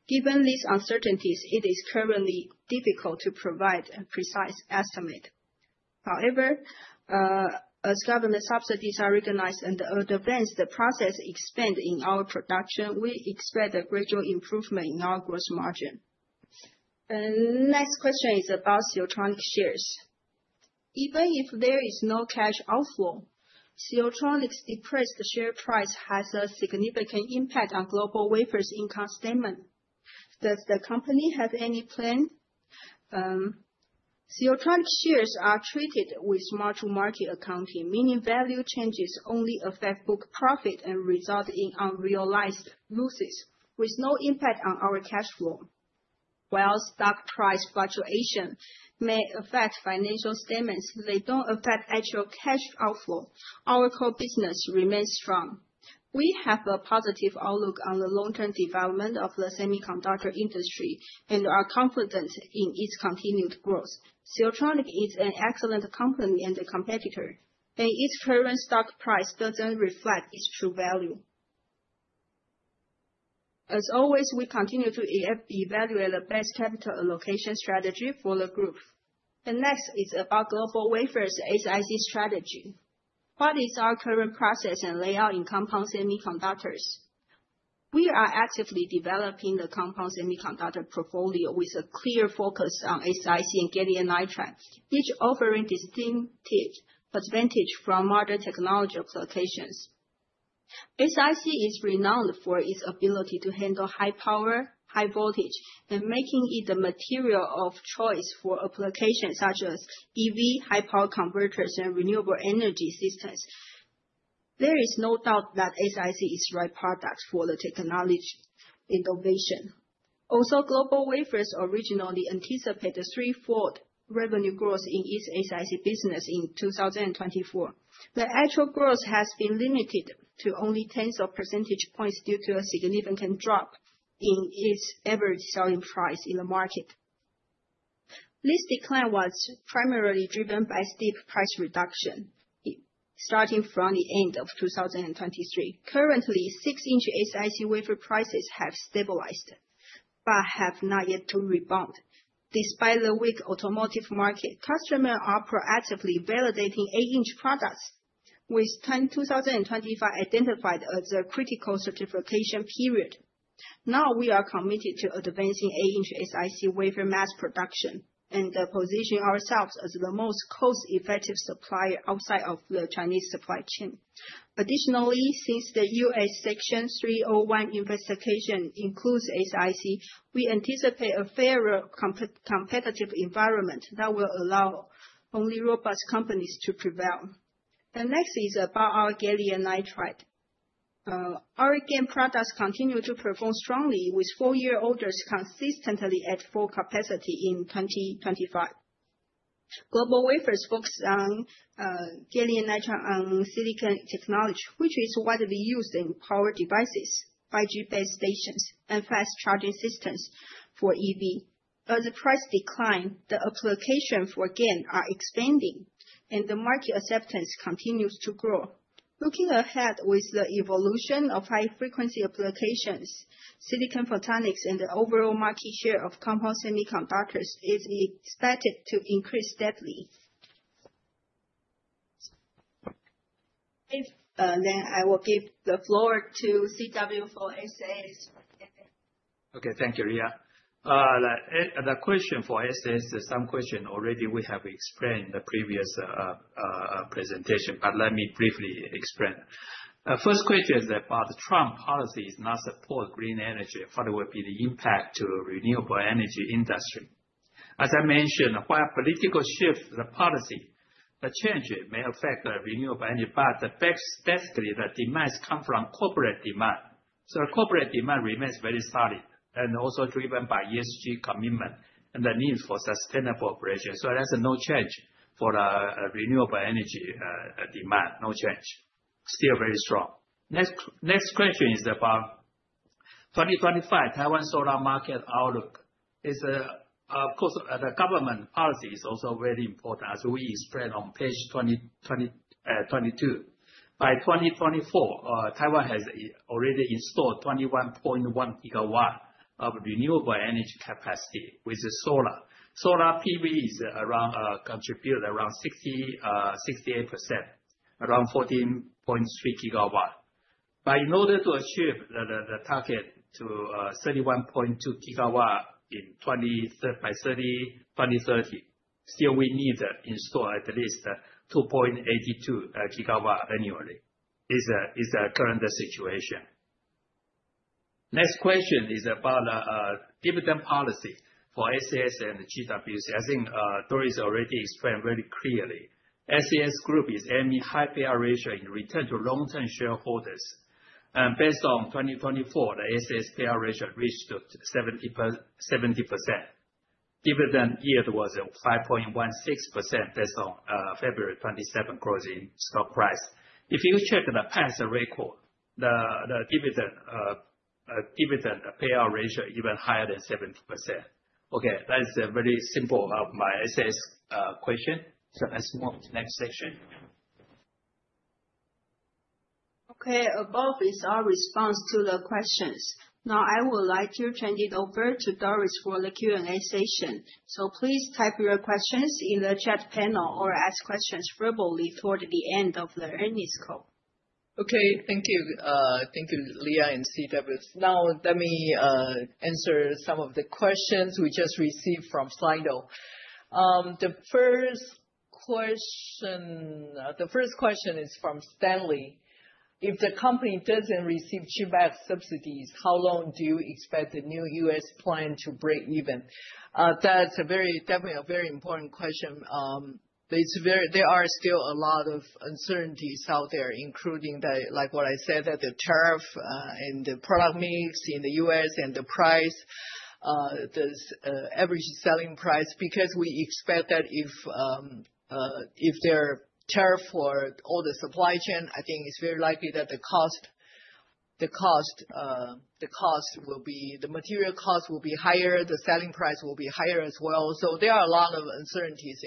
Given these uncertainties, it is currently difficult to provide a precise estimate. However, as government subsidies are recognized and advance the process expand in our production, we expect a gradual improvement in our gross margin. The next question is about Siltronic shares. Even if there is no cash outflow, Siltronic's depressed share price has a significant impact on GlobalWafers' income statement. Does the company have any plan? Siltronic shares are treated with mark-to-market accounting, meaning value changes only affect book profit and result in unrealized losses, with no impact on our cash flow. While stock price fluctuation may affect financial statements, they don't affect actual cash outflow. Our core business remains strong. We have a positive outlook on the long-term development of the semiconductor industry and are confident in its continued growth. Siltronic is an excellent company and a competitor, and its current stock price doesn't reflect its true value. As always, we continue to evaluate the best capital allocation strategy for the group. The next is about GlobalWafers' SiC strategy. What is our current process and layout in compound semiconductors? We are actively developing the compound semiconductor portfolio with a clear focus on SiC and gallium nitride, each offering distinctive advantages from modern technology applications. SiC is renowned for its ability to handle high power, high voltage, and making it the material of choice for applications such as EV, high-power converters, and renewable energy systems. There is no doubt that SiC is the right product for the technology innovation. Also, GlobalWafers originally anticipated three-fold revenue growth in its SiC business in 2024. The actual growth has been limited to only tens of percentage points due to a significant drop in its average selling price in the market. This decline was primarily driven by steep price reduction starting from the end of 2023. Currently, 6-inch SiC wafer prices have stabilized but have not yet rebounded. Despite the weak automotive market, customers are proactively validating 8-inch products, with 2025 identified as a critical certification period. Now we are committed to advancing 8-inch SiC wafer mass production and positioning ourselves as the most cost-effective supplier outside of the Chinese supply chain. Additionally, since the U.S. Section 301 investigation includes SiC, we anticipate a fairer competitive environment that will allow only robust companies to prevail. The next is about our gallium nitride. Our GaN products continue to perform strongly, with four-year orders consistently at full capacity in 2025. GlobalWafers focuses on gallium nitride and SiC technology, which is widely used in power devices, 5G base stations, and fast charging systems for EV. As the price declines, the applications for GaN are expanding, and the market acceptance continues to grow. Looking ahead, with the evolution of high-frequency applications, silicon photonics, and the overall market share of compound semiconductors is expected to increase steadily, then I will give the floor to CW for SAS. Okay, thank you, Leah. The question for SAS, some questions already we have explained in the previous presentation, but let me briefly explain. The first question is about the Trump policy is not supporting green energy. What will be the impact to the renewable energy industry? As I mentioned, while political shifts the policy, the change may affect the renewable energy, but the best basically the demands come from corporate demand. So the corporate demand remains very solid and also driven by ESG commitment and the need for sustainable operation. So there's no change for the renewable energy demand, no change. Still very strong. Next question is about 2025 Taiwan solar market outlook. Of course, the government policy is also very important as we explained on page 22. By 2024, Taiwan has already installed 21.1 gigawatts of renewable energy capacity with solar. Solar PV is around contributing around 68%, around 14.3 gigawatts. But in order to achieve the target to 31.2 gigawatts by 2030, still we need to install at least 2.82 gigawatts annually. This is the current situation. Next question is about the dividend policy for SAS and GWC. I think Doris already explained very clearly. SAS Group is aiming high payout ratio in return to long-term shareholders. And based on 2024, the SAS payout ratio reached 70%. Dividend yield was 5.16% based on February 27 closing stock price. If you check the past record, the dividend payout ratio is even higher than 70%. Okay, that is very simple of my SAS question. So let's move to the next section. Okay, above is our response to the questions. Now I would like to turn it over to Doris for the Q&A session. Please type your questions in the chat panel or ask questions verbally toward the end of the earnings call. Okay, thank you. Thank you, Leah and C.W. Now let me answer some of the questions we just received from Slido. The first question is from Stanley. If the company doesn't receive CHIPS Act subsidies, how long do you expect the new U.S. plant to break even? That's definitely a very important question. There are still a lot of uncertainties out there, including like what I said, the tariff and the product mix in the U.S. and the price, the average selling price, because we expect that if there are tariffs for all the supply chain, I think it's very likely that the material cost will be higher, the selling price will be higher as well. So there are a lot of uncertainties.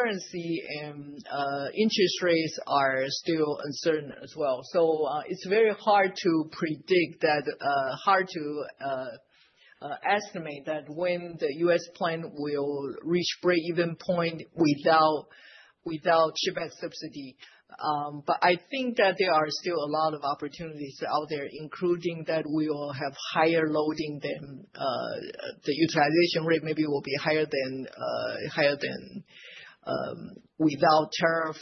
Currency and interest rates are still uncertain as well. So it's very hard to predict that, hard to estimate that when the U.S. plant will reach break-even point without CHIPS Act subsidy. But I think that there are still a lot of opportunities out there, including that we will have higher loading than the utilization rate maybe will be higher than without tariff.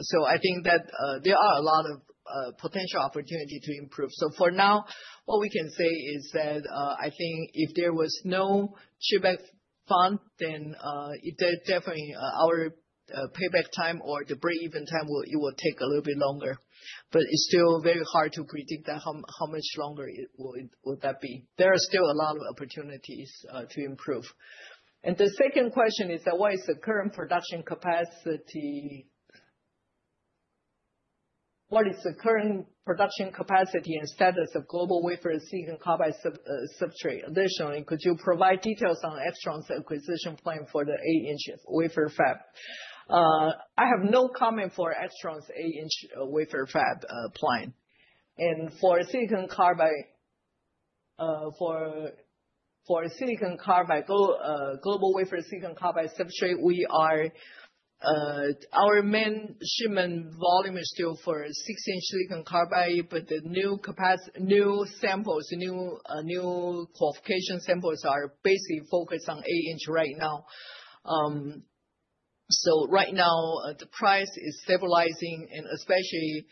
So I think that there are a lot of potential opportunities to improve. So for now, what we can say is that I think if there was no CHIPS Act fund, then definitely our payback time or the break-even time, it will take a little bit longer. But it's still very hard to predict how much longer that will be. There are still a lot of opportunities to improve. The second question is that what is the current production capacity? What is the current production capacity and status of GlobalWafers' silicon carbide substrate? Additionally, could you provide details on Actron's acquisition plan for the 8-inch wafer fab? I have no comment for Actron's 8-inch wafer fab plan. For silicon carbide, for silicon carbide, GlobalWafers' silicon carbide substrate, we are our main shipment volume is still for 6-inch silicon carbide, but the new samples, new qualification samples are basically focused on 8-inch right now. So right now, the price is stabilizing, and especially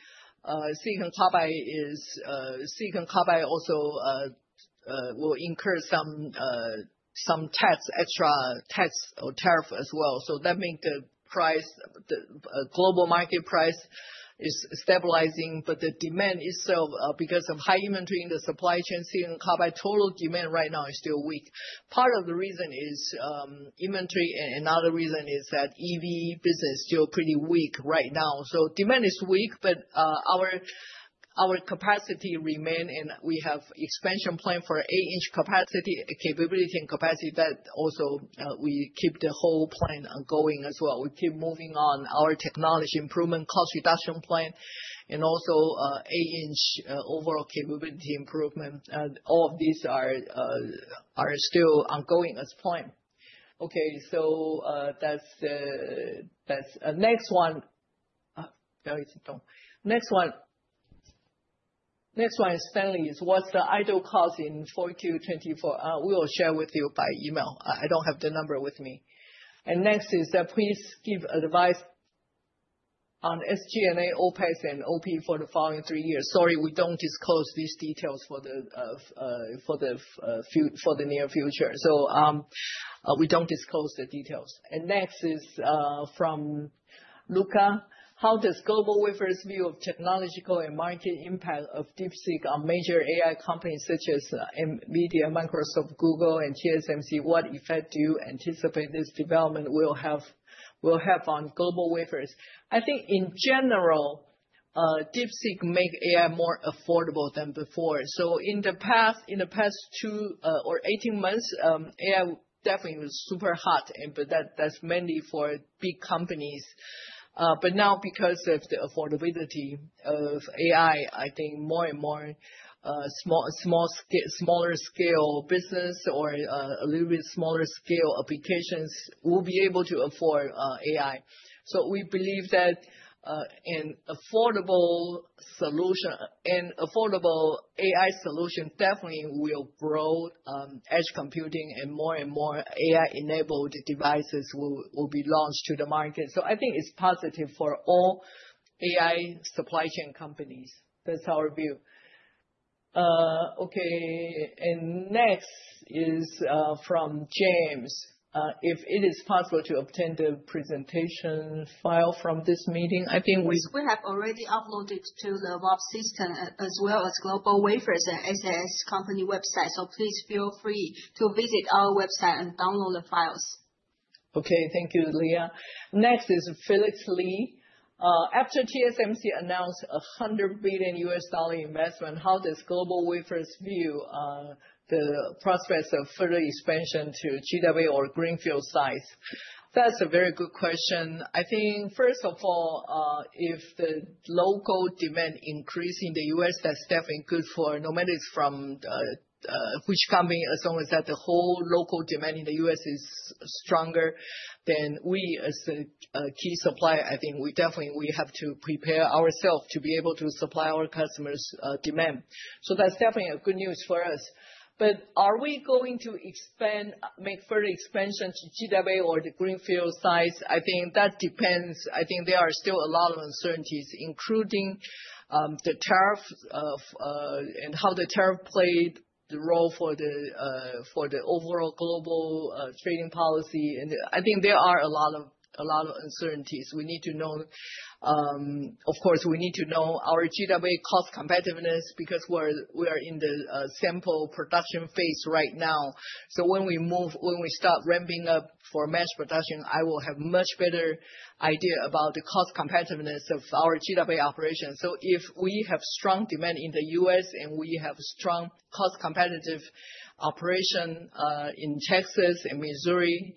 silicon carbide is silicon carbide also will incur some tax extra tax or tariff as well. So that means the price, the global market price is stabilizing, but the demand is still because of high inventory in the supply chain. Silicon carbide total demand right now is still weak. Part of the reason is inventory, and another reason is that EV business is still pretty weak right now. So demand is weak, but our capacity remains, and we have expansion plan for 8-inch capacity, capability, and capacity that also we keep the whole plan ongoing as well. We keep moving on our technology improvement cost reduction plan and also 8-inch overall capability improvement. All of these are still ongoing as plan. Okay, so that's the next one. Next one. Next one is Stanley is what's the idle cost in 4Q24? We will share with you by email. I don't have the number with me. And next is that please give advice on SG&A, OPEX, and OP for the following three years. Sorry, we don't disclose these details for the near future. So we don't disclose the details. And next is from Luca. How does GlobalWafers' view of technological and market impact of DeepSeek on major AI companies such as NVIDIA, Microsoft, Google, and TSMC? What effect do you anticipate this development will have on GlobalWafers? I think in general, DeepSeek makes AI more affordable than before. So in the past, in the past two or 18 months, AI definitely was super hot, but that's mainly for big companies. But now because of the affordability of AI, I think more and more smaller scale business or a little bit smaller scale applications will be able to afford AI. So we believe that an affordable solution and affordable AI solution definitely will grow edge computing and more and more AI-enabled devices will be launched to the market. So I think it's positive for all AI supply chain companies. That's our view. Okay, and next is from James. If it is possible to obtain the presentation file from this meeting, I think We have already uploaded to the web system as well as GlobalWafers and SAS company website. So please feel free to visit our website and download the files. Okay, thank you, Leah. Next is Felix Lee. After TSMC announced a $100 billion investment, how does GlobalWafers view the prospects of further expansion to GW or greenfield sites? That's a very good question. I think first of all, if the local demand increases in the U.S., that's definitely good for no matter which company as long as the whole local demand in the U.S. is stronger, then we as the key supplier, I think we definitely have to prepare ourselves to be able to supply our customers' demand. So that's definitely good news for us. But are we going to expand, make further expansion to GW or the Greenfield sites? I think that depends. I think there are still a lot of uncertainties, including the tariff and how the tariff played the role for the overall global trading policy. And I think there are a lot of uncertainties. We need to know, of course, we need to know our GW cost competitiveness because we are in the sample production phase right now. So when we move, when we start ramping up for mass production, I will have a much better idea about the cost competitiveness of our GW operation. So if we have strong demand in the U.S. and we have a strong cost competitive operation in Texas and Missouri,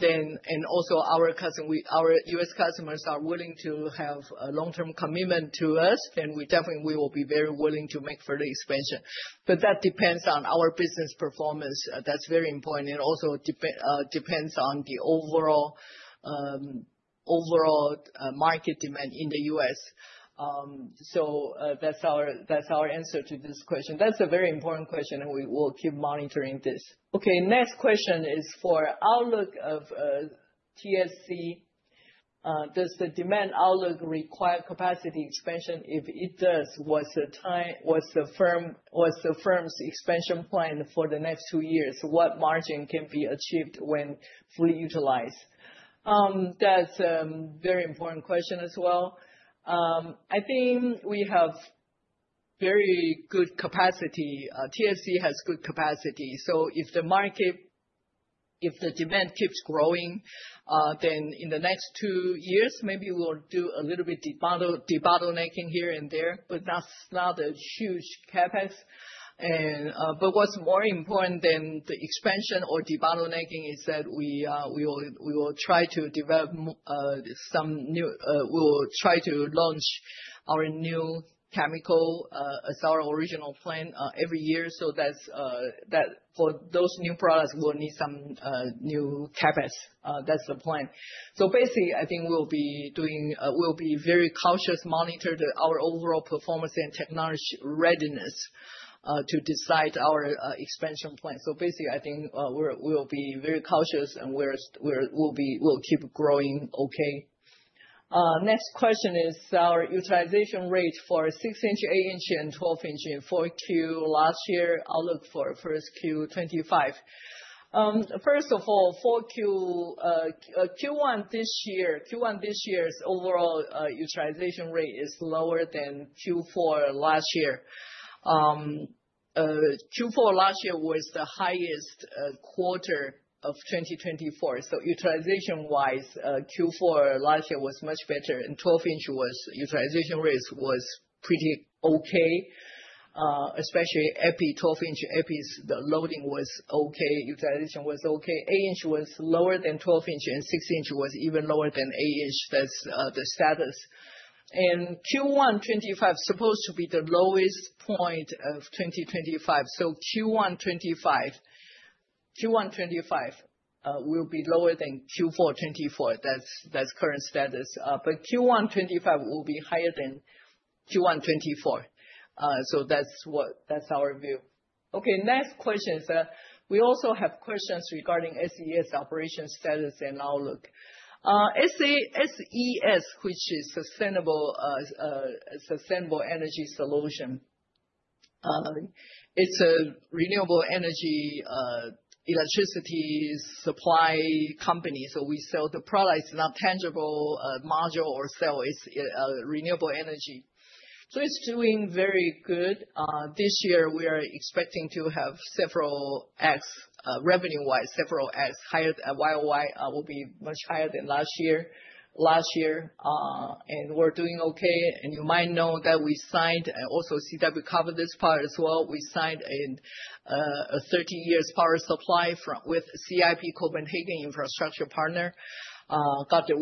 then and also our U.S. customers are willing to have a long-term commitment to us, then we definitely will be very willing to make further expansion. But that depends on our business performance. That's very important and also depends on the overall market demand in the U.S. So that's our answer to this question. That's a very important question, and we will keep monitoring this. Okay, next question is for outlook of TSC. Does the demand outlook require capacity expansion? If it does, what's the firm's expansion plan for the next two years? What margin can be achieved when fully utilized? That's a very important question as well. I think we have very good capacity. TSC has good capacity. So if the market, if the demand keeps growing, then in the next two years, maybe we'll do a little bit debottlenecking here and there, but that's not a huge CapEx. But what's more important than the expansion or debottlenecking is that we will try to launch our new chemical as our original plan every year. So that's for those new products, we'll need some new CapEx. That's the plan. So basically, I think we'll be very cautious monitoring our overall performance and technology readiness to decide our expansion plan. So basically, I think we'll be very cautious and we'll keep growing. Okay. Next question is our utilization rate for 6-inch, 8-inch, and 12-inch in 4Q last year. Outlook for first Q 2025. First of all, Q1 this year, Q1 this year's overall utilization rate is lower than Q4 last year. Q4 last year was the highest quarter of 2024. Utilization-wise, Q4 last year was much better and 12-inch utilization rate was pretty okay, especially EPI, 12-inch EPIs, the loading was okay, utilization was okay. 8-inch was lower than 12-inch and 6-inch was even lower than 8-inch. That's the status. Q1 2025 is supposed to be the lowest point of 2025. Q1 2025 will be lower than Q4 2024. That's current status. Q125 will be higher than Q1 2024. That's our view. Okay, next question is we also have questions regarding SES operation status and outlook. SES, which is Sustainable Energy Solution, it's a renewable energy electricity supply company. We sell the products, not tangible module or cell. It's renewable energy. It's doing very good. This year, we are expecting to have several times revenue-wise, several times higher than YOY. It will be much higher than last year. And we're doing okay. And you might know that we signed, and also CW covered this part as well. We signed a 30-year power supply with CIP Copenhagen Infrastructure Partners, got the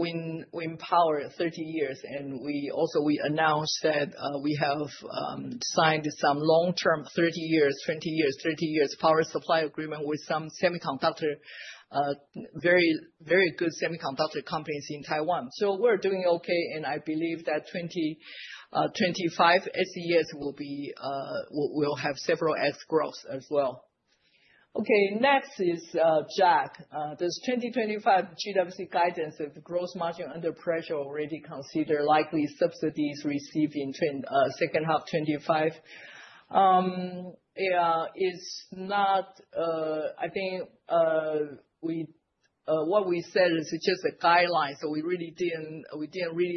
wind power 30 years. And we also announced that we have signed some long-term 30 years, 20 years, 30 years power supply agreement with some semiconductor, very good semiconductor companies in Taiwan. So we're doing okay. And I believe that 2025 SES will have several times growth as well. Okay, next is Jack. Does 2025 GWC guidance of gross margin under pressure already consider likely subsidies received in second half 2025? It's not. I think what we said is just a guideline. So we really didn't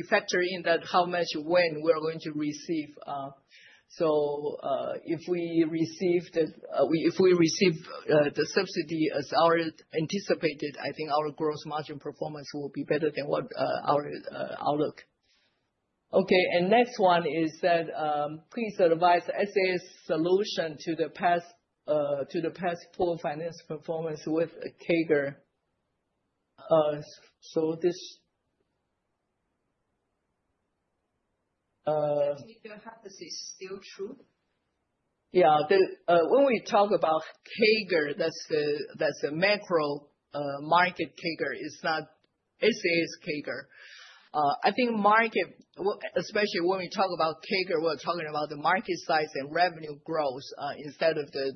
factor in that how much when we're going to receive. So if we receive the subsidy as anticipated, I think our gross margin performance will be better than our outlook. Okay, and next one is that please advise SAS solution to the past four financial performance with CAGR. So this hypothesis is still true? Yeah, when we talk about CAGR, that's a macro market CAGR. It's not SAS CAGR. I think market, especially when we talk about CAGR, we're talking about the market size and revenue growth instead of the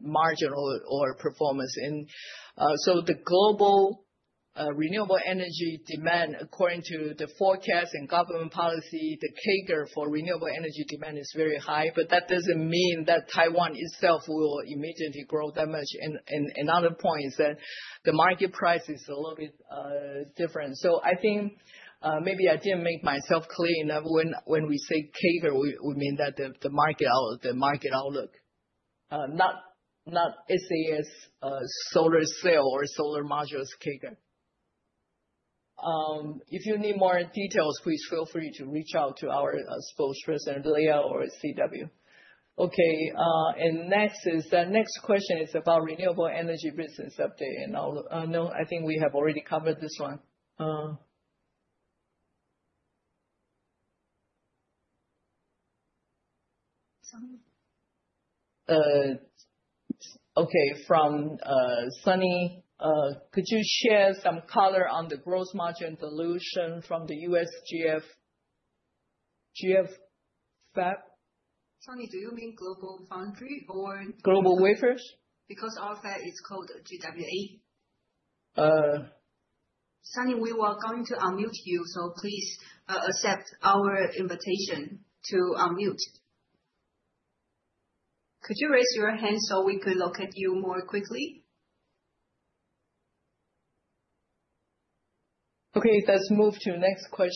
margin or performance. And so the global renewable energy demand, according to the forecast and government policy, the CAGR for renewable energy demand is very high, but that doesn't mean that Taiwan itself will immediately grow that much. And another point is that the market price is a little bit different. So I think maybe I didn't make myself clear enough. When we say CAGR, we mean that the market outlook, not SAS solar cell or solar modules CAGR. If you need more details, please feel free to reach out to our spokesperson, Leah or C.W. Okay, and next is the next question is about renewable energy business update. And I think we have already covered this one. Okay, from Sunny, could you share some color on the gross margin dilution from the USGF FAB? Sunny, do you mean GlobalFoundries or GlobalWafers? Because our FAB is called GWA. Sunny, we were going to unmute you, so please accept our invitation to unmute. Could you raise your hand so we can look at you more quickly? Okay, let's move to the next question.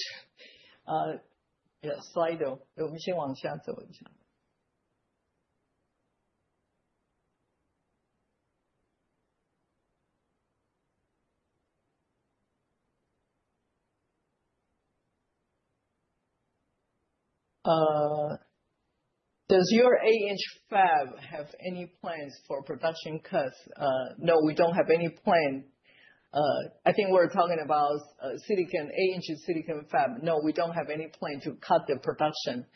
[audio distortion] Does your 8-inch FAB have any plans for production cuts? No, we don't have any plan. I think we're talking about silicon, 8-inch silicon fab. No, we don't have any plan to cut the production.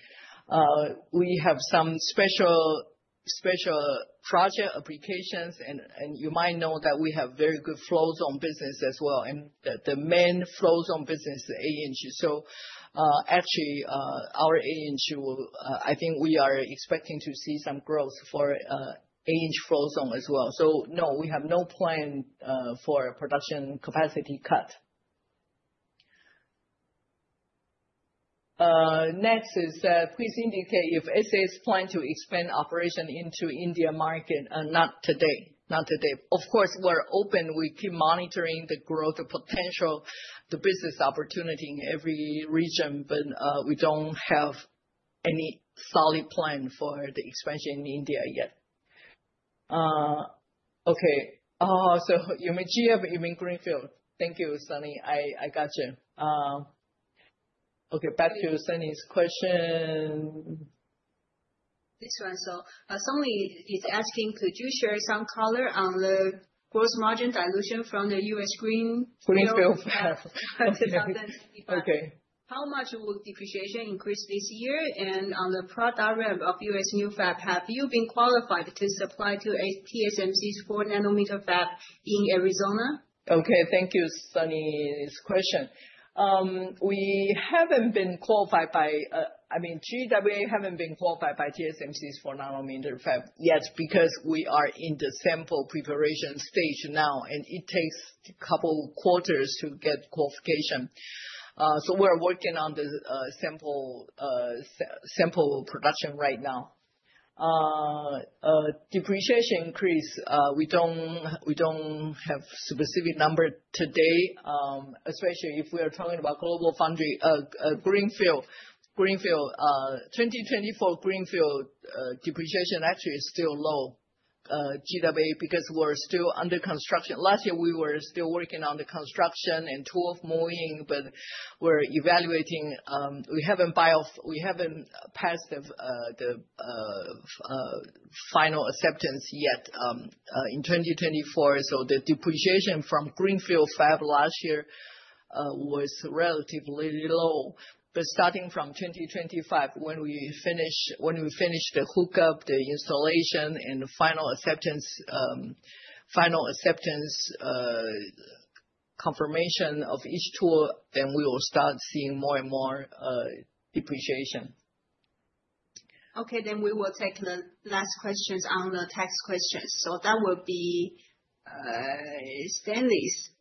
We have some special project applications, and you might know that we have very good Float-Zone business as well. And the main Float-Zone business is 8-inch. So actually, our 8-inch, I think we are expecting to see some growth for 8-inch Float-Zone as well. So no, we have no plan for production capacity cut. Next is that please indicate if SAS plan to expand operation into India market. Not today. Not today. Of course, we're open. We keep monitoring the growth potential, the business opportunity in every region, but we don't have any solid plan for the expansion in India yet. Okay, so you're in GF, you're in Greenfield. Thank you, Sunny. I got you. Okay, back to Sunny's question. This one, so Sunny is asking, could you share some color on the gross margin dilution from the U.S. Greenfield fab? 2025. Okay. How much will depreciation increase this year? And on the product ramp of U.S. new fab, have you been qualified to supply to TSMC's 4-nanometer fab in Arizona? Okay, thank you, Sunny, for this question. We haven't been qualified by, I mean, GWA haven't been qualified by TSMC's 4-nanometer fab yet because we are in the sample preparation stage now, and it takes a couple of quarters to get qualification. So we're working on the sample production right now. Depreciation increase, we don't have a specific number today, especially if we are talking about GlobalFoundries, Greenfield. 2024 Greenfield depreciation actually is still low, GWA, because we're still under construction. Last year, we were still working on the construction and tooling, but we're evaluating. We haven't passed the final acceptance yet in 2024. So the depreciation from Greenfield fab last year was relatively low. But starting from 2025, when we finish the hookup, the installation, and final acceptance, final acceptance confirmation of each tool, then we will start seeing more and more depreciation. Okay, then we will take the last questions on the tax questions. So that will be Stanley's. Could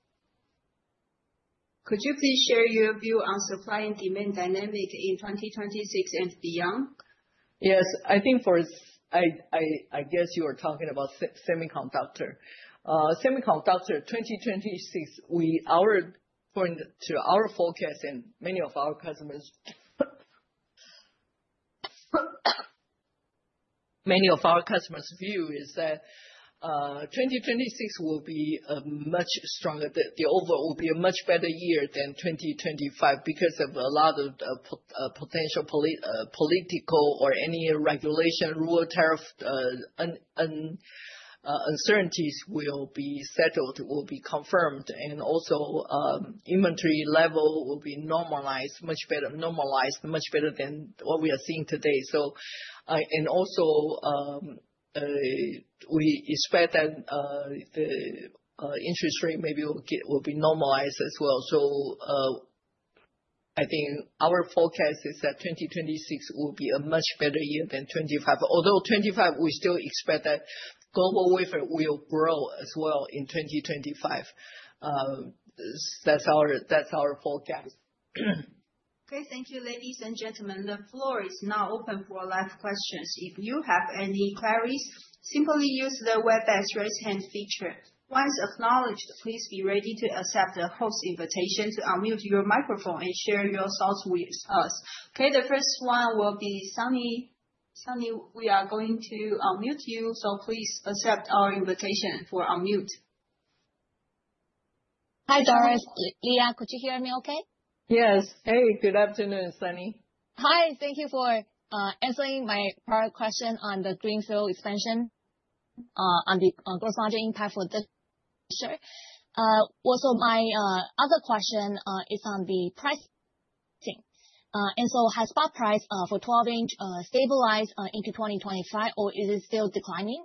you please share your view on supply and demand dynamic in 2026 and beyond? Yes, I think for, I guess you were talking about semiconductor. Semiconductor 2026, our forecast and many of our customers, many of our customers' view is that 2026 will be a much stronger, the overall will be a much better year than 2025 because of a lot of potential political or any regulation, real tariff uncertainties will be settled, will be confirmed, and also inventory level will be normalized, much better, normalized, much better than what we are seeing today. And also we expect that the interest rate maybe will be normalized as well. So I think our forecast is that 2026 will be a much better year than 2025. Although 2025, we still expect that GlobalWafers will grow as well in 2025. That's our forecast. Okay, thank you, ladies and gentlemen. The floor is now open for live questions. If you have any queries, simply use the raise hand feature. Once acknowledged, please be ready to accept the host invitation to unmute your microphone and share your thoughts with us. Okay, the first one will be Sunny. Sunny, we are going to unmute you, so please accept our invitation for unmute. Hi, Doris. Leah, could you hear me okay? Yes. Hey, good afternoon, Sunny. Hi. Thank you for answering my prior question on the Greenfield expansion, on the gross margin impact for the. Sure. Also, my other question is on the pricing. And so has spot price for 12-inch stabilized into 2025, or is it still declining?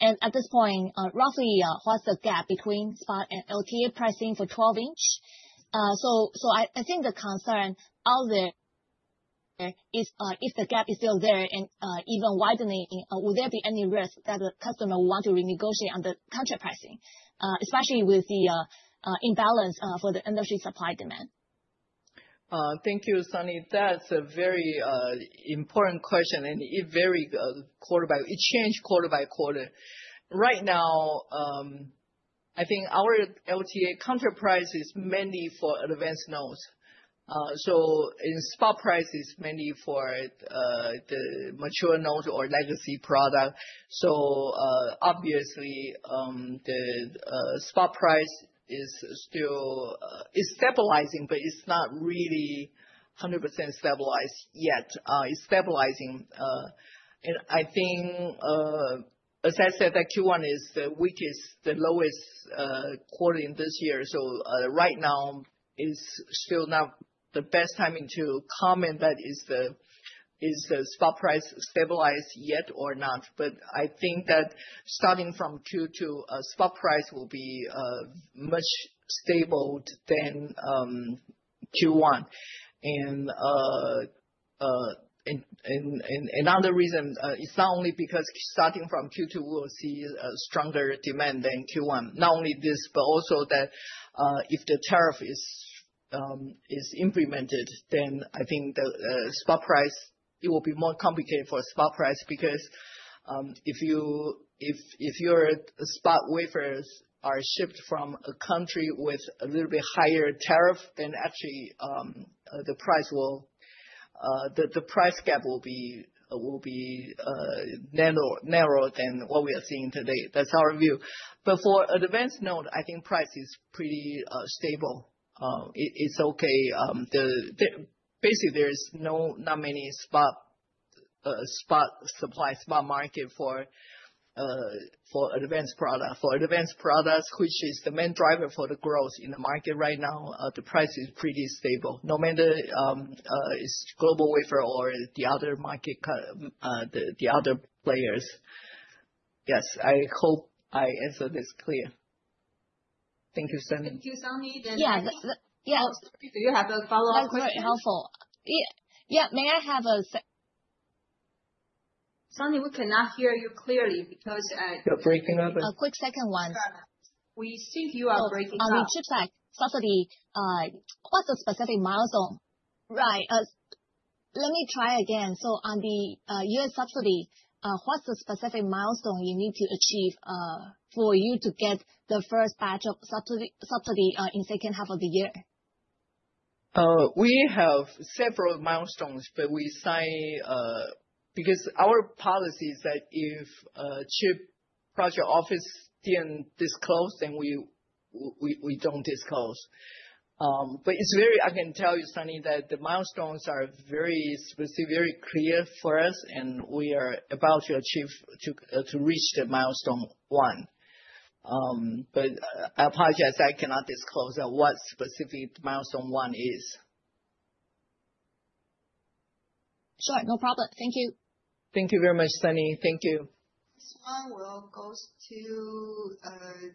And at this point, roughly, what's the gap between spot and LTA pricing for 12-inch? I think the concern out there is if the gap is still there and even widening, would there be any risk that the customer will want to renegotiate on the contract pricing, especially with the imbalance for the industry supply demand? Thank you, Sunny. That's a very important question, and it changed quarter by quarter. Right now, I think our LTA contract price is mainly for advanced nodes. So in spot price, it's mainly for the mature nodes or legacy products. So obviously, the spot price is still stabilizing, but it's not really 100% stabilized yet. It's stabilizing. And I think, as I said, that Q1 is the weakest, the lowest quarter in this year. So right now, it's still not the best time to comment that is the spot price stabilized yet or not. But I think that starting from Q2, spot price will be much stable than Q1. And another reason is not only because starting from Q2, we'll see a stronger demand than Q1. Not only this, but also that if the tariff is implemented, then I think the spot price, it will be more complicated for spot price because if your spot wafers are shipped from a country with a little bit higher tariff, then actually the price will, the price gap will be narrower than what we are seeing today. That's our view. But for advanced node, I think price is pretty stable. It's okay. Basically, there's not many spot supply, spot market for advanced products. For advanced products, which is the main driver for the growth in the market right now, the price is pretty stable. No matter it's GlobalWafers or the other market, the other players. Yes, I hope I answered this clear. Thank you, Sunny. Yeah. Do you have a follow-up question? That's helpful. Yeah, may I have a— Sunny, we cannot hear you clearly because you're breaking up. A quick second one. We think you are breaking up. On the CHIPS Act subsidy, what's the specific milestone? Right. Let me try again. So on the US subsidy, what's the specific milestone you need to achieve for you to get the first batch of subsidy in the second half of the year? We have several milestones, but we sign because our policy is that if CHIPS project office didn't disclose, then we don't disclose. But it's very—I can tell you, Sunny, that the milestones are very specific, very clear for us, and we are about to achieve, to reach the milestone one. But I apologize, I cannot disclose what specific milestone one is. Sure. No problem. Thank you. Thank you very much, Sunny. Thank you. This one will go to.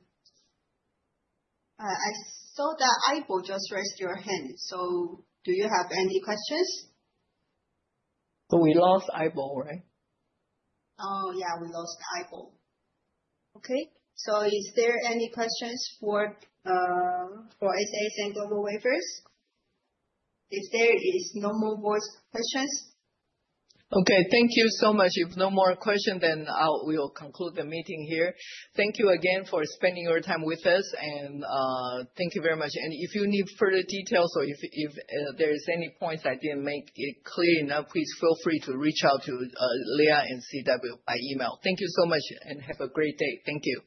I saw that IBL just raised your hand. So do you have any questions? So we lost IBL, right? Oh, yeah, we lost IBL. Okay. So is there any questions for SAS and GlobalWafers? If there is no more voice questions. Okay. Thank you so much. If no more questions, then we'll conclude the meeting here. Thank you again for spending your time with us. And thank you very much. And if you need further details or if there are any points I didn't make it clear enough, please feel free to reach out to Leah and C.W by email. Thank you so much and have a great day. Thank you.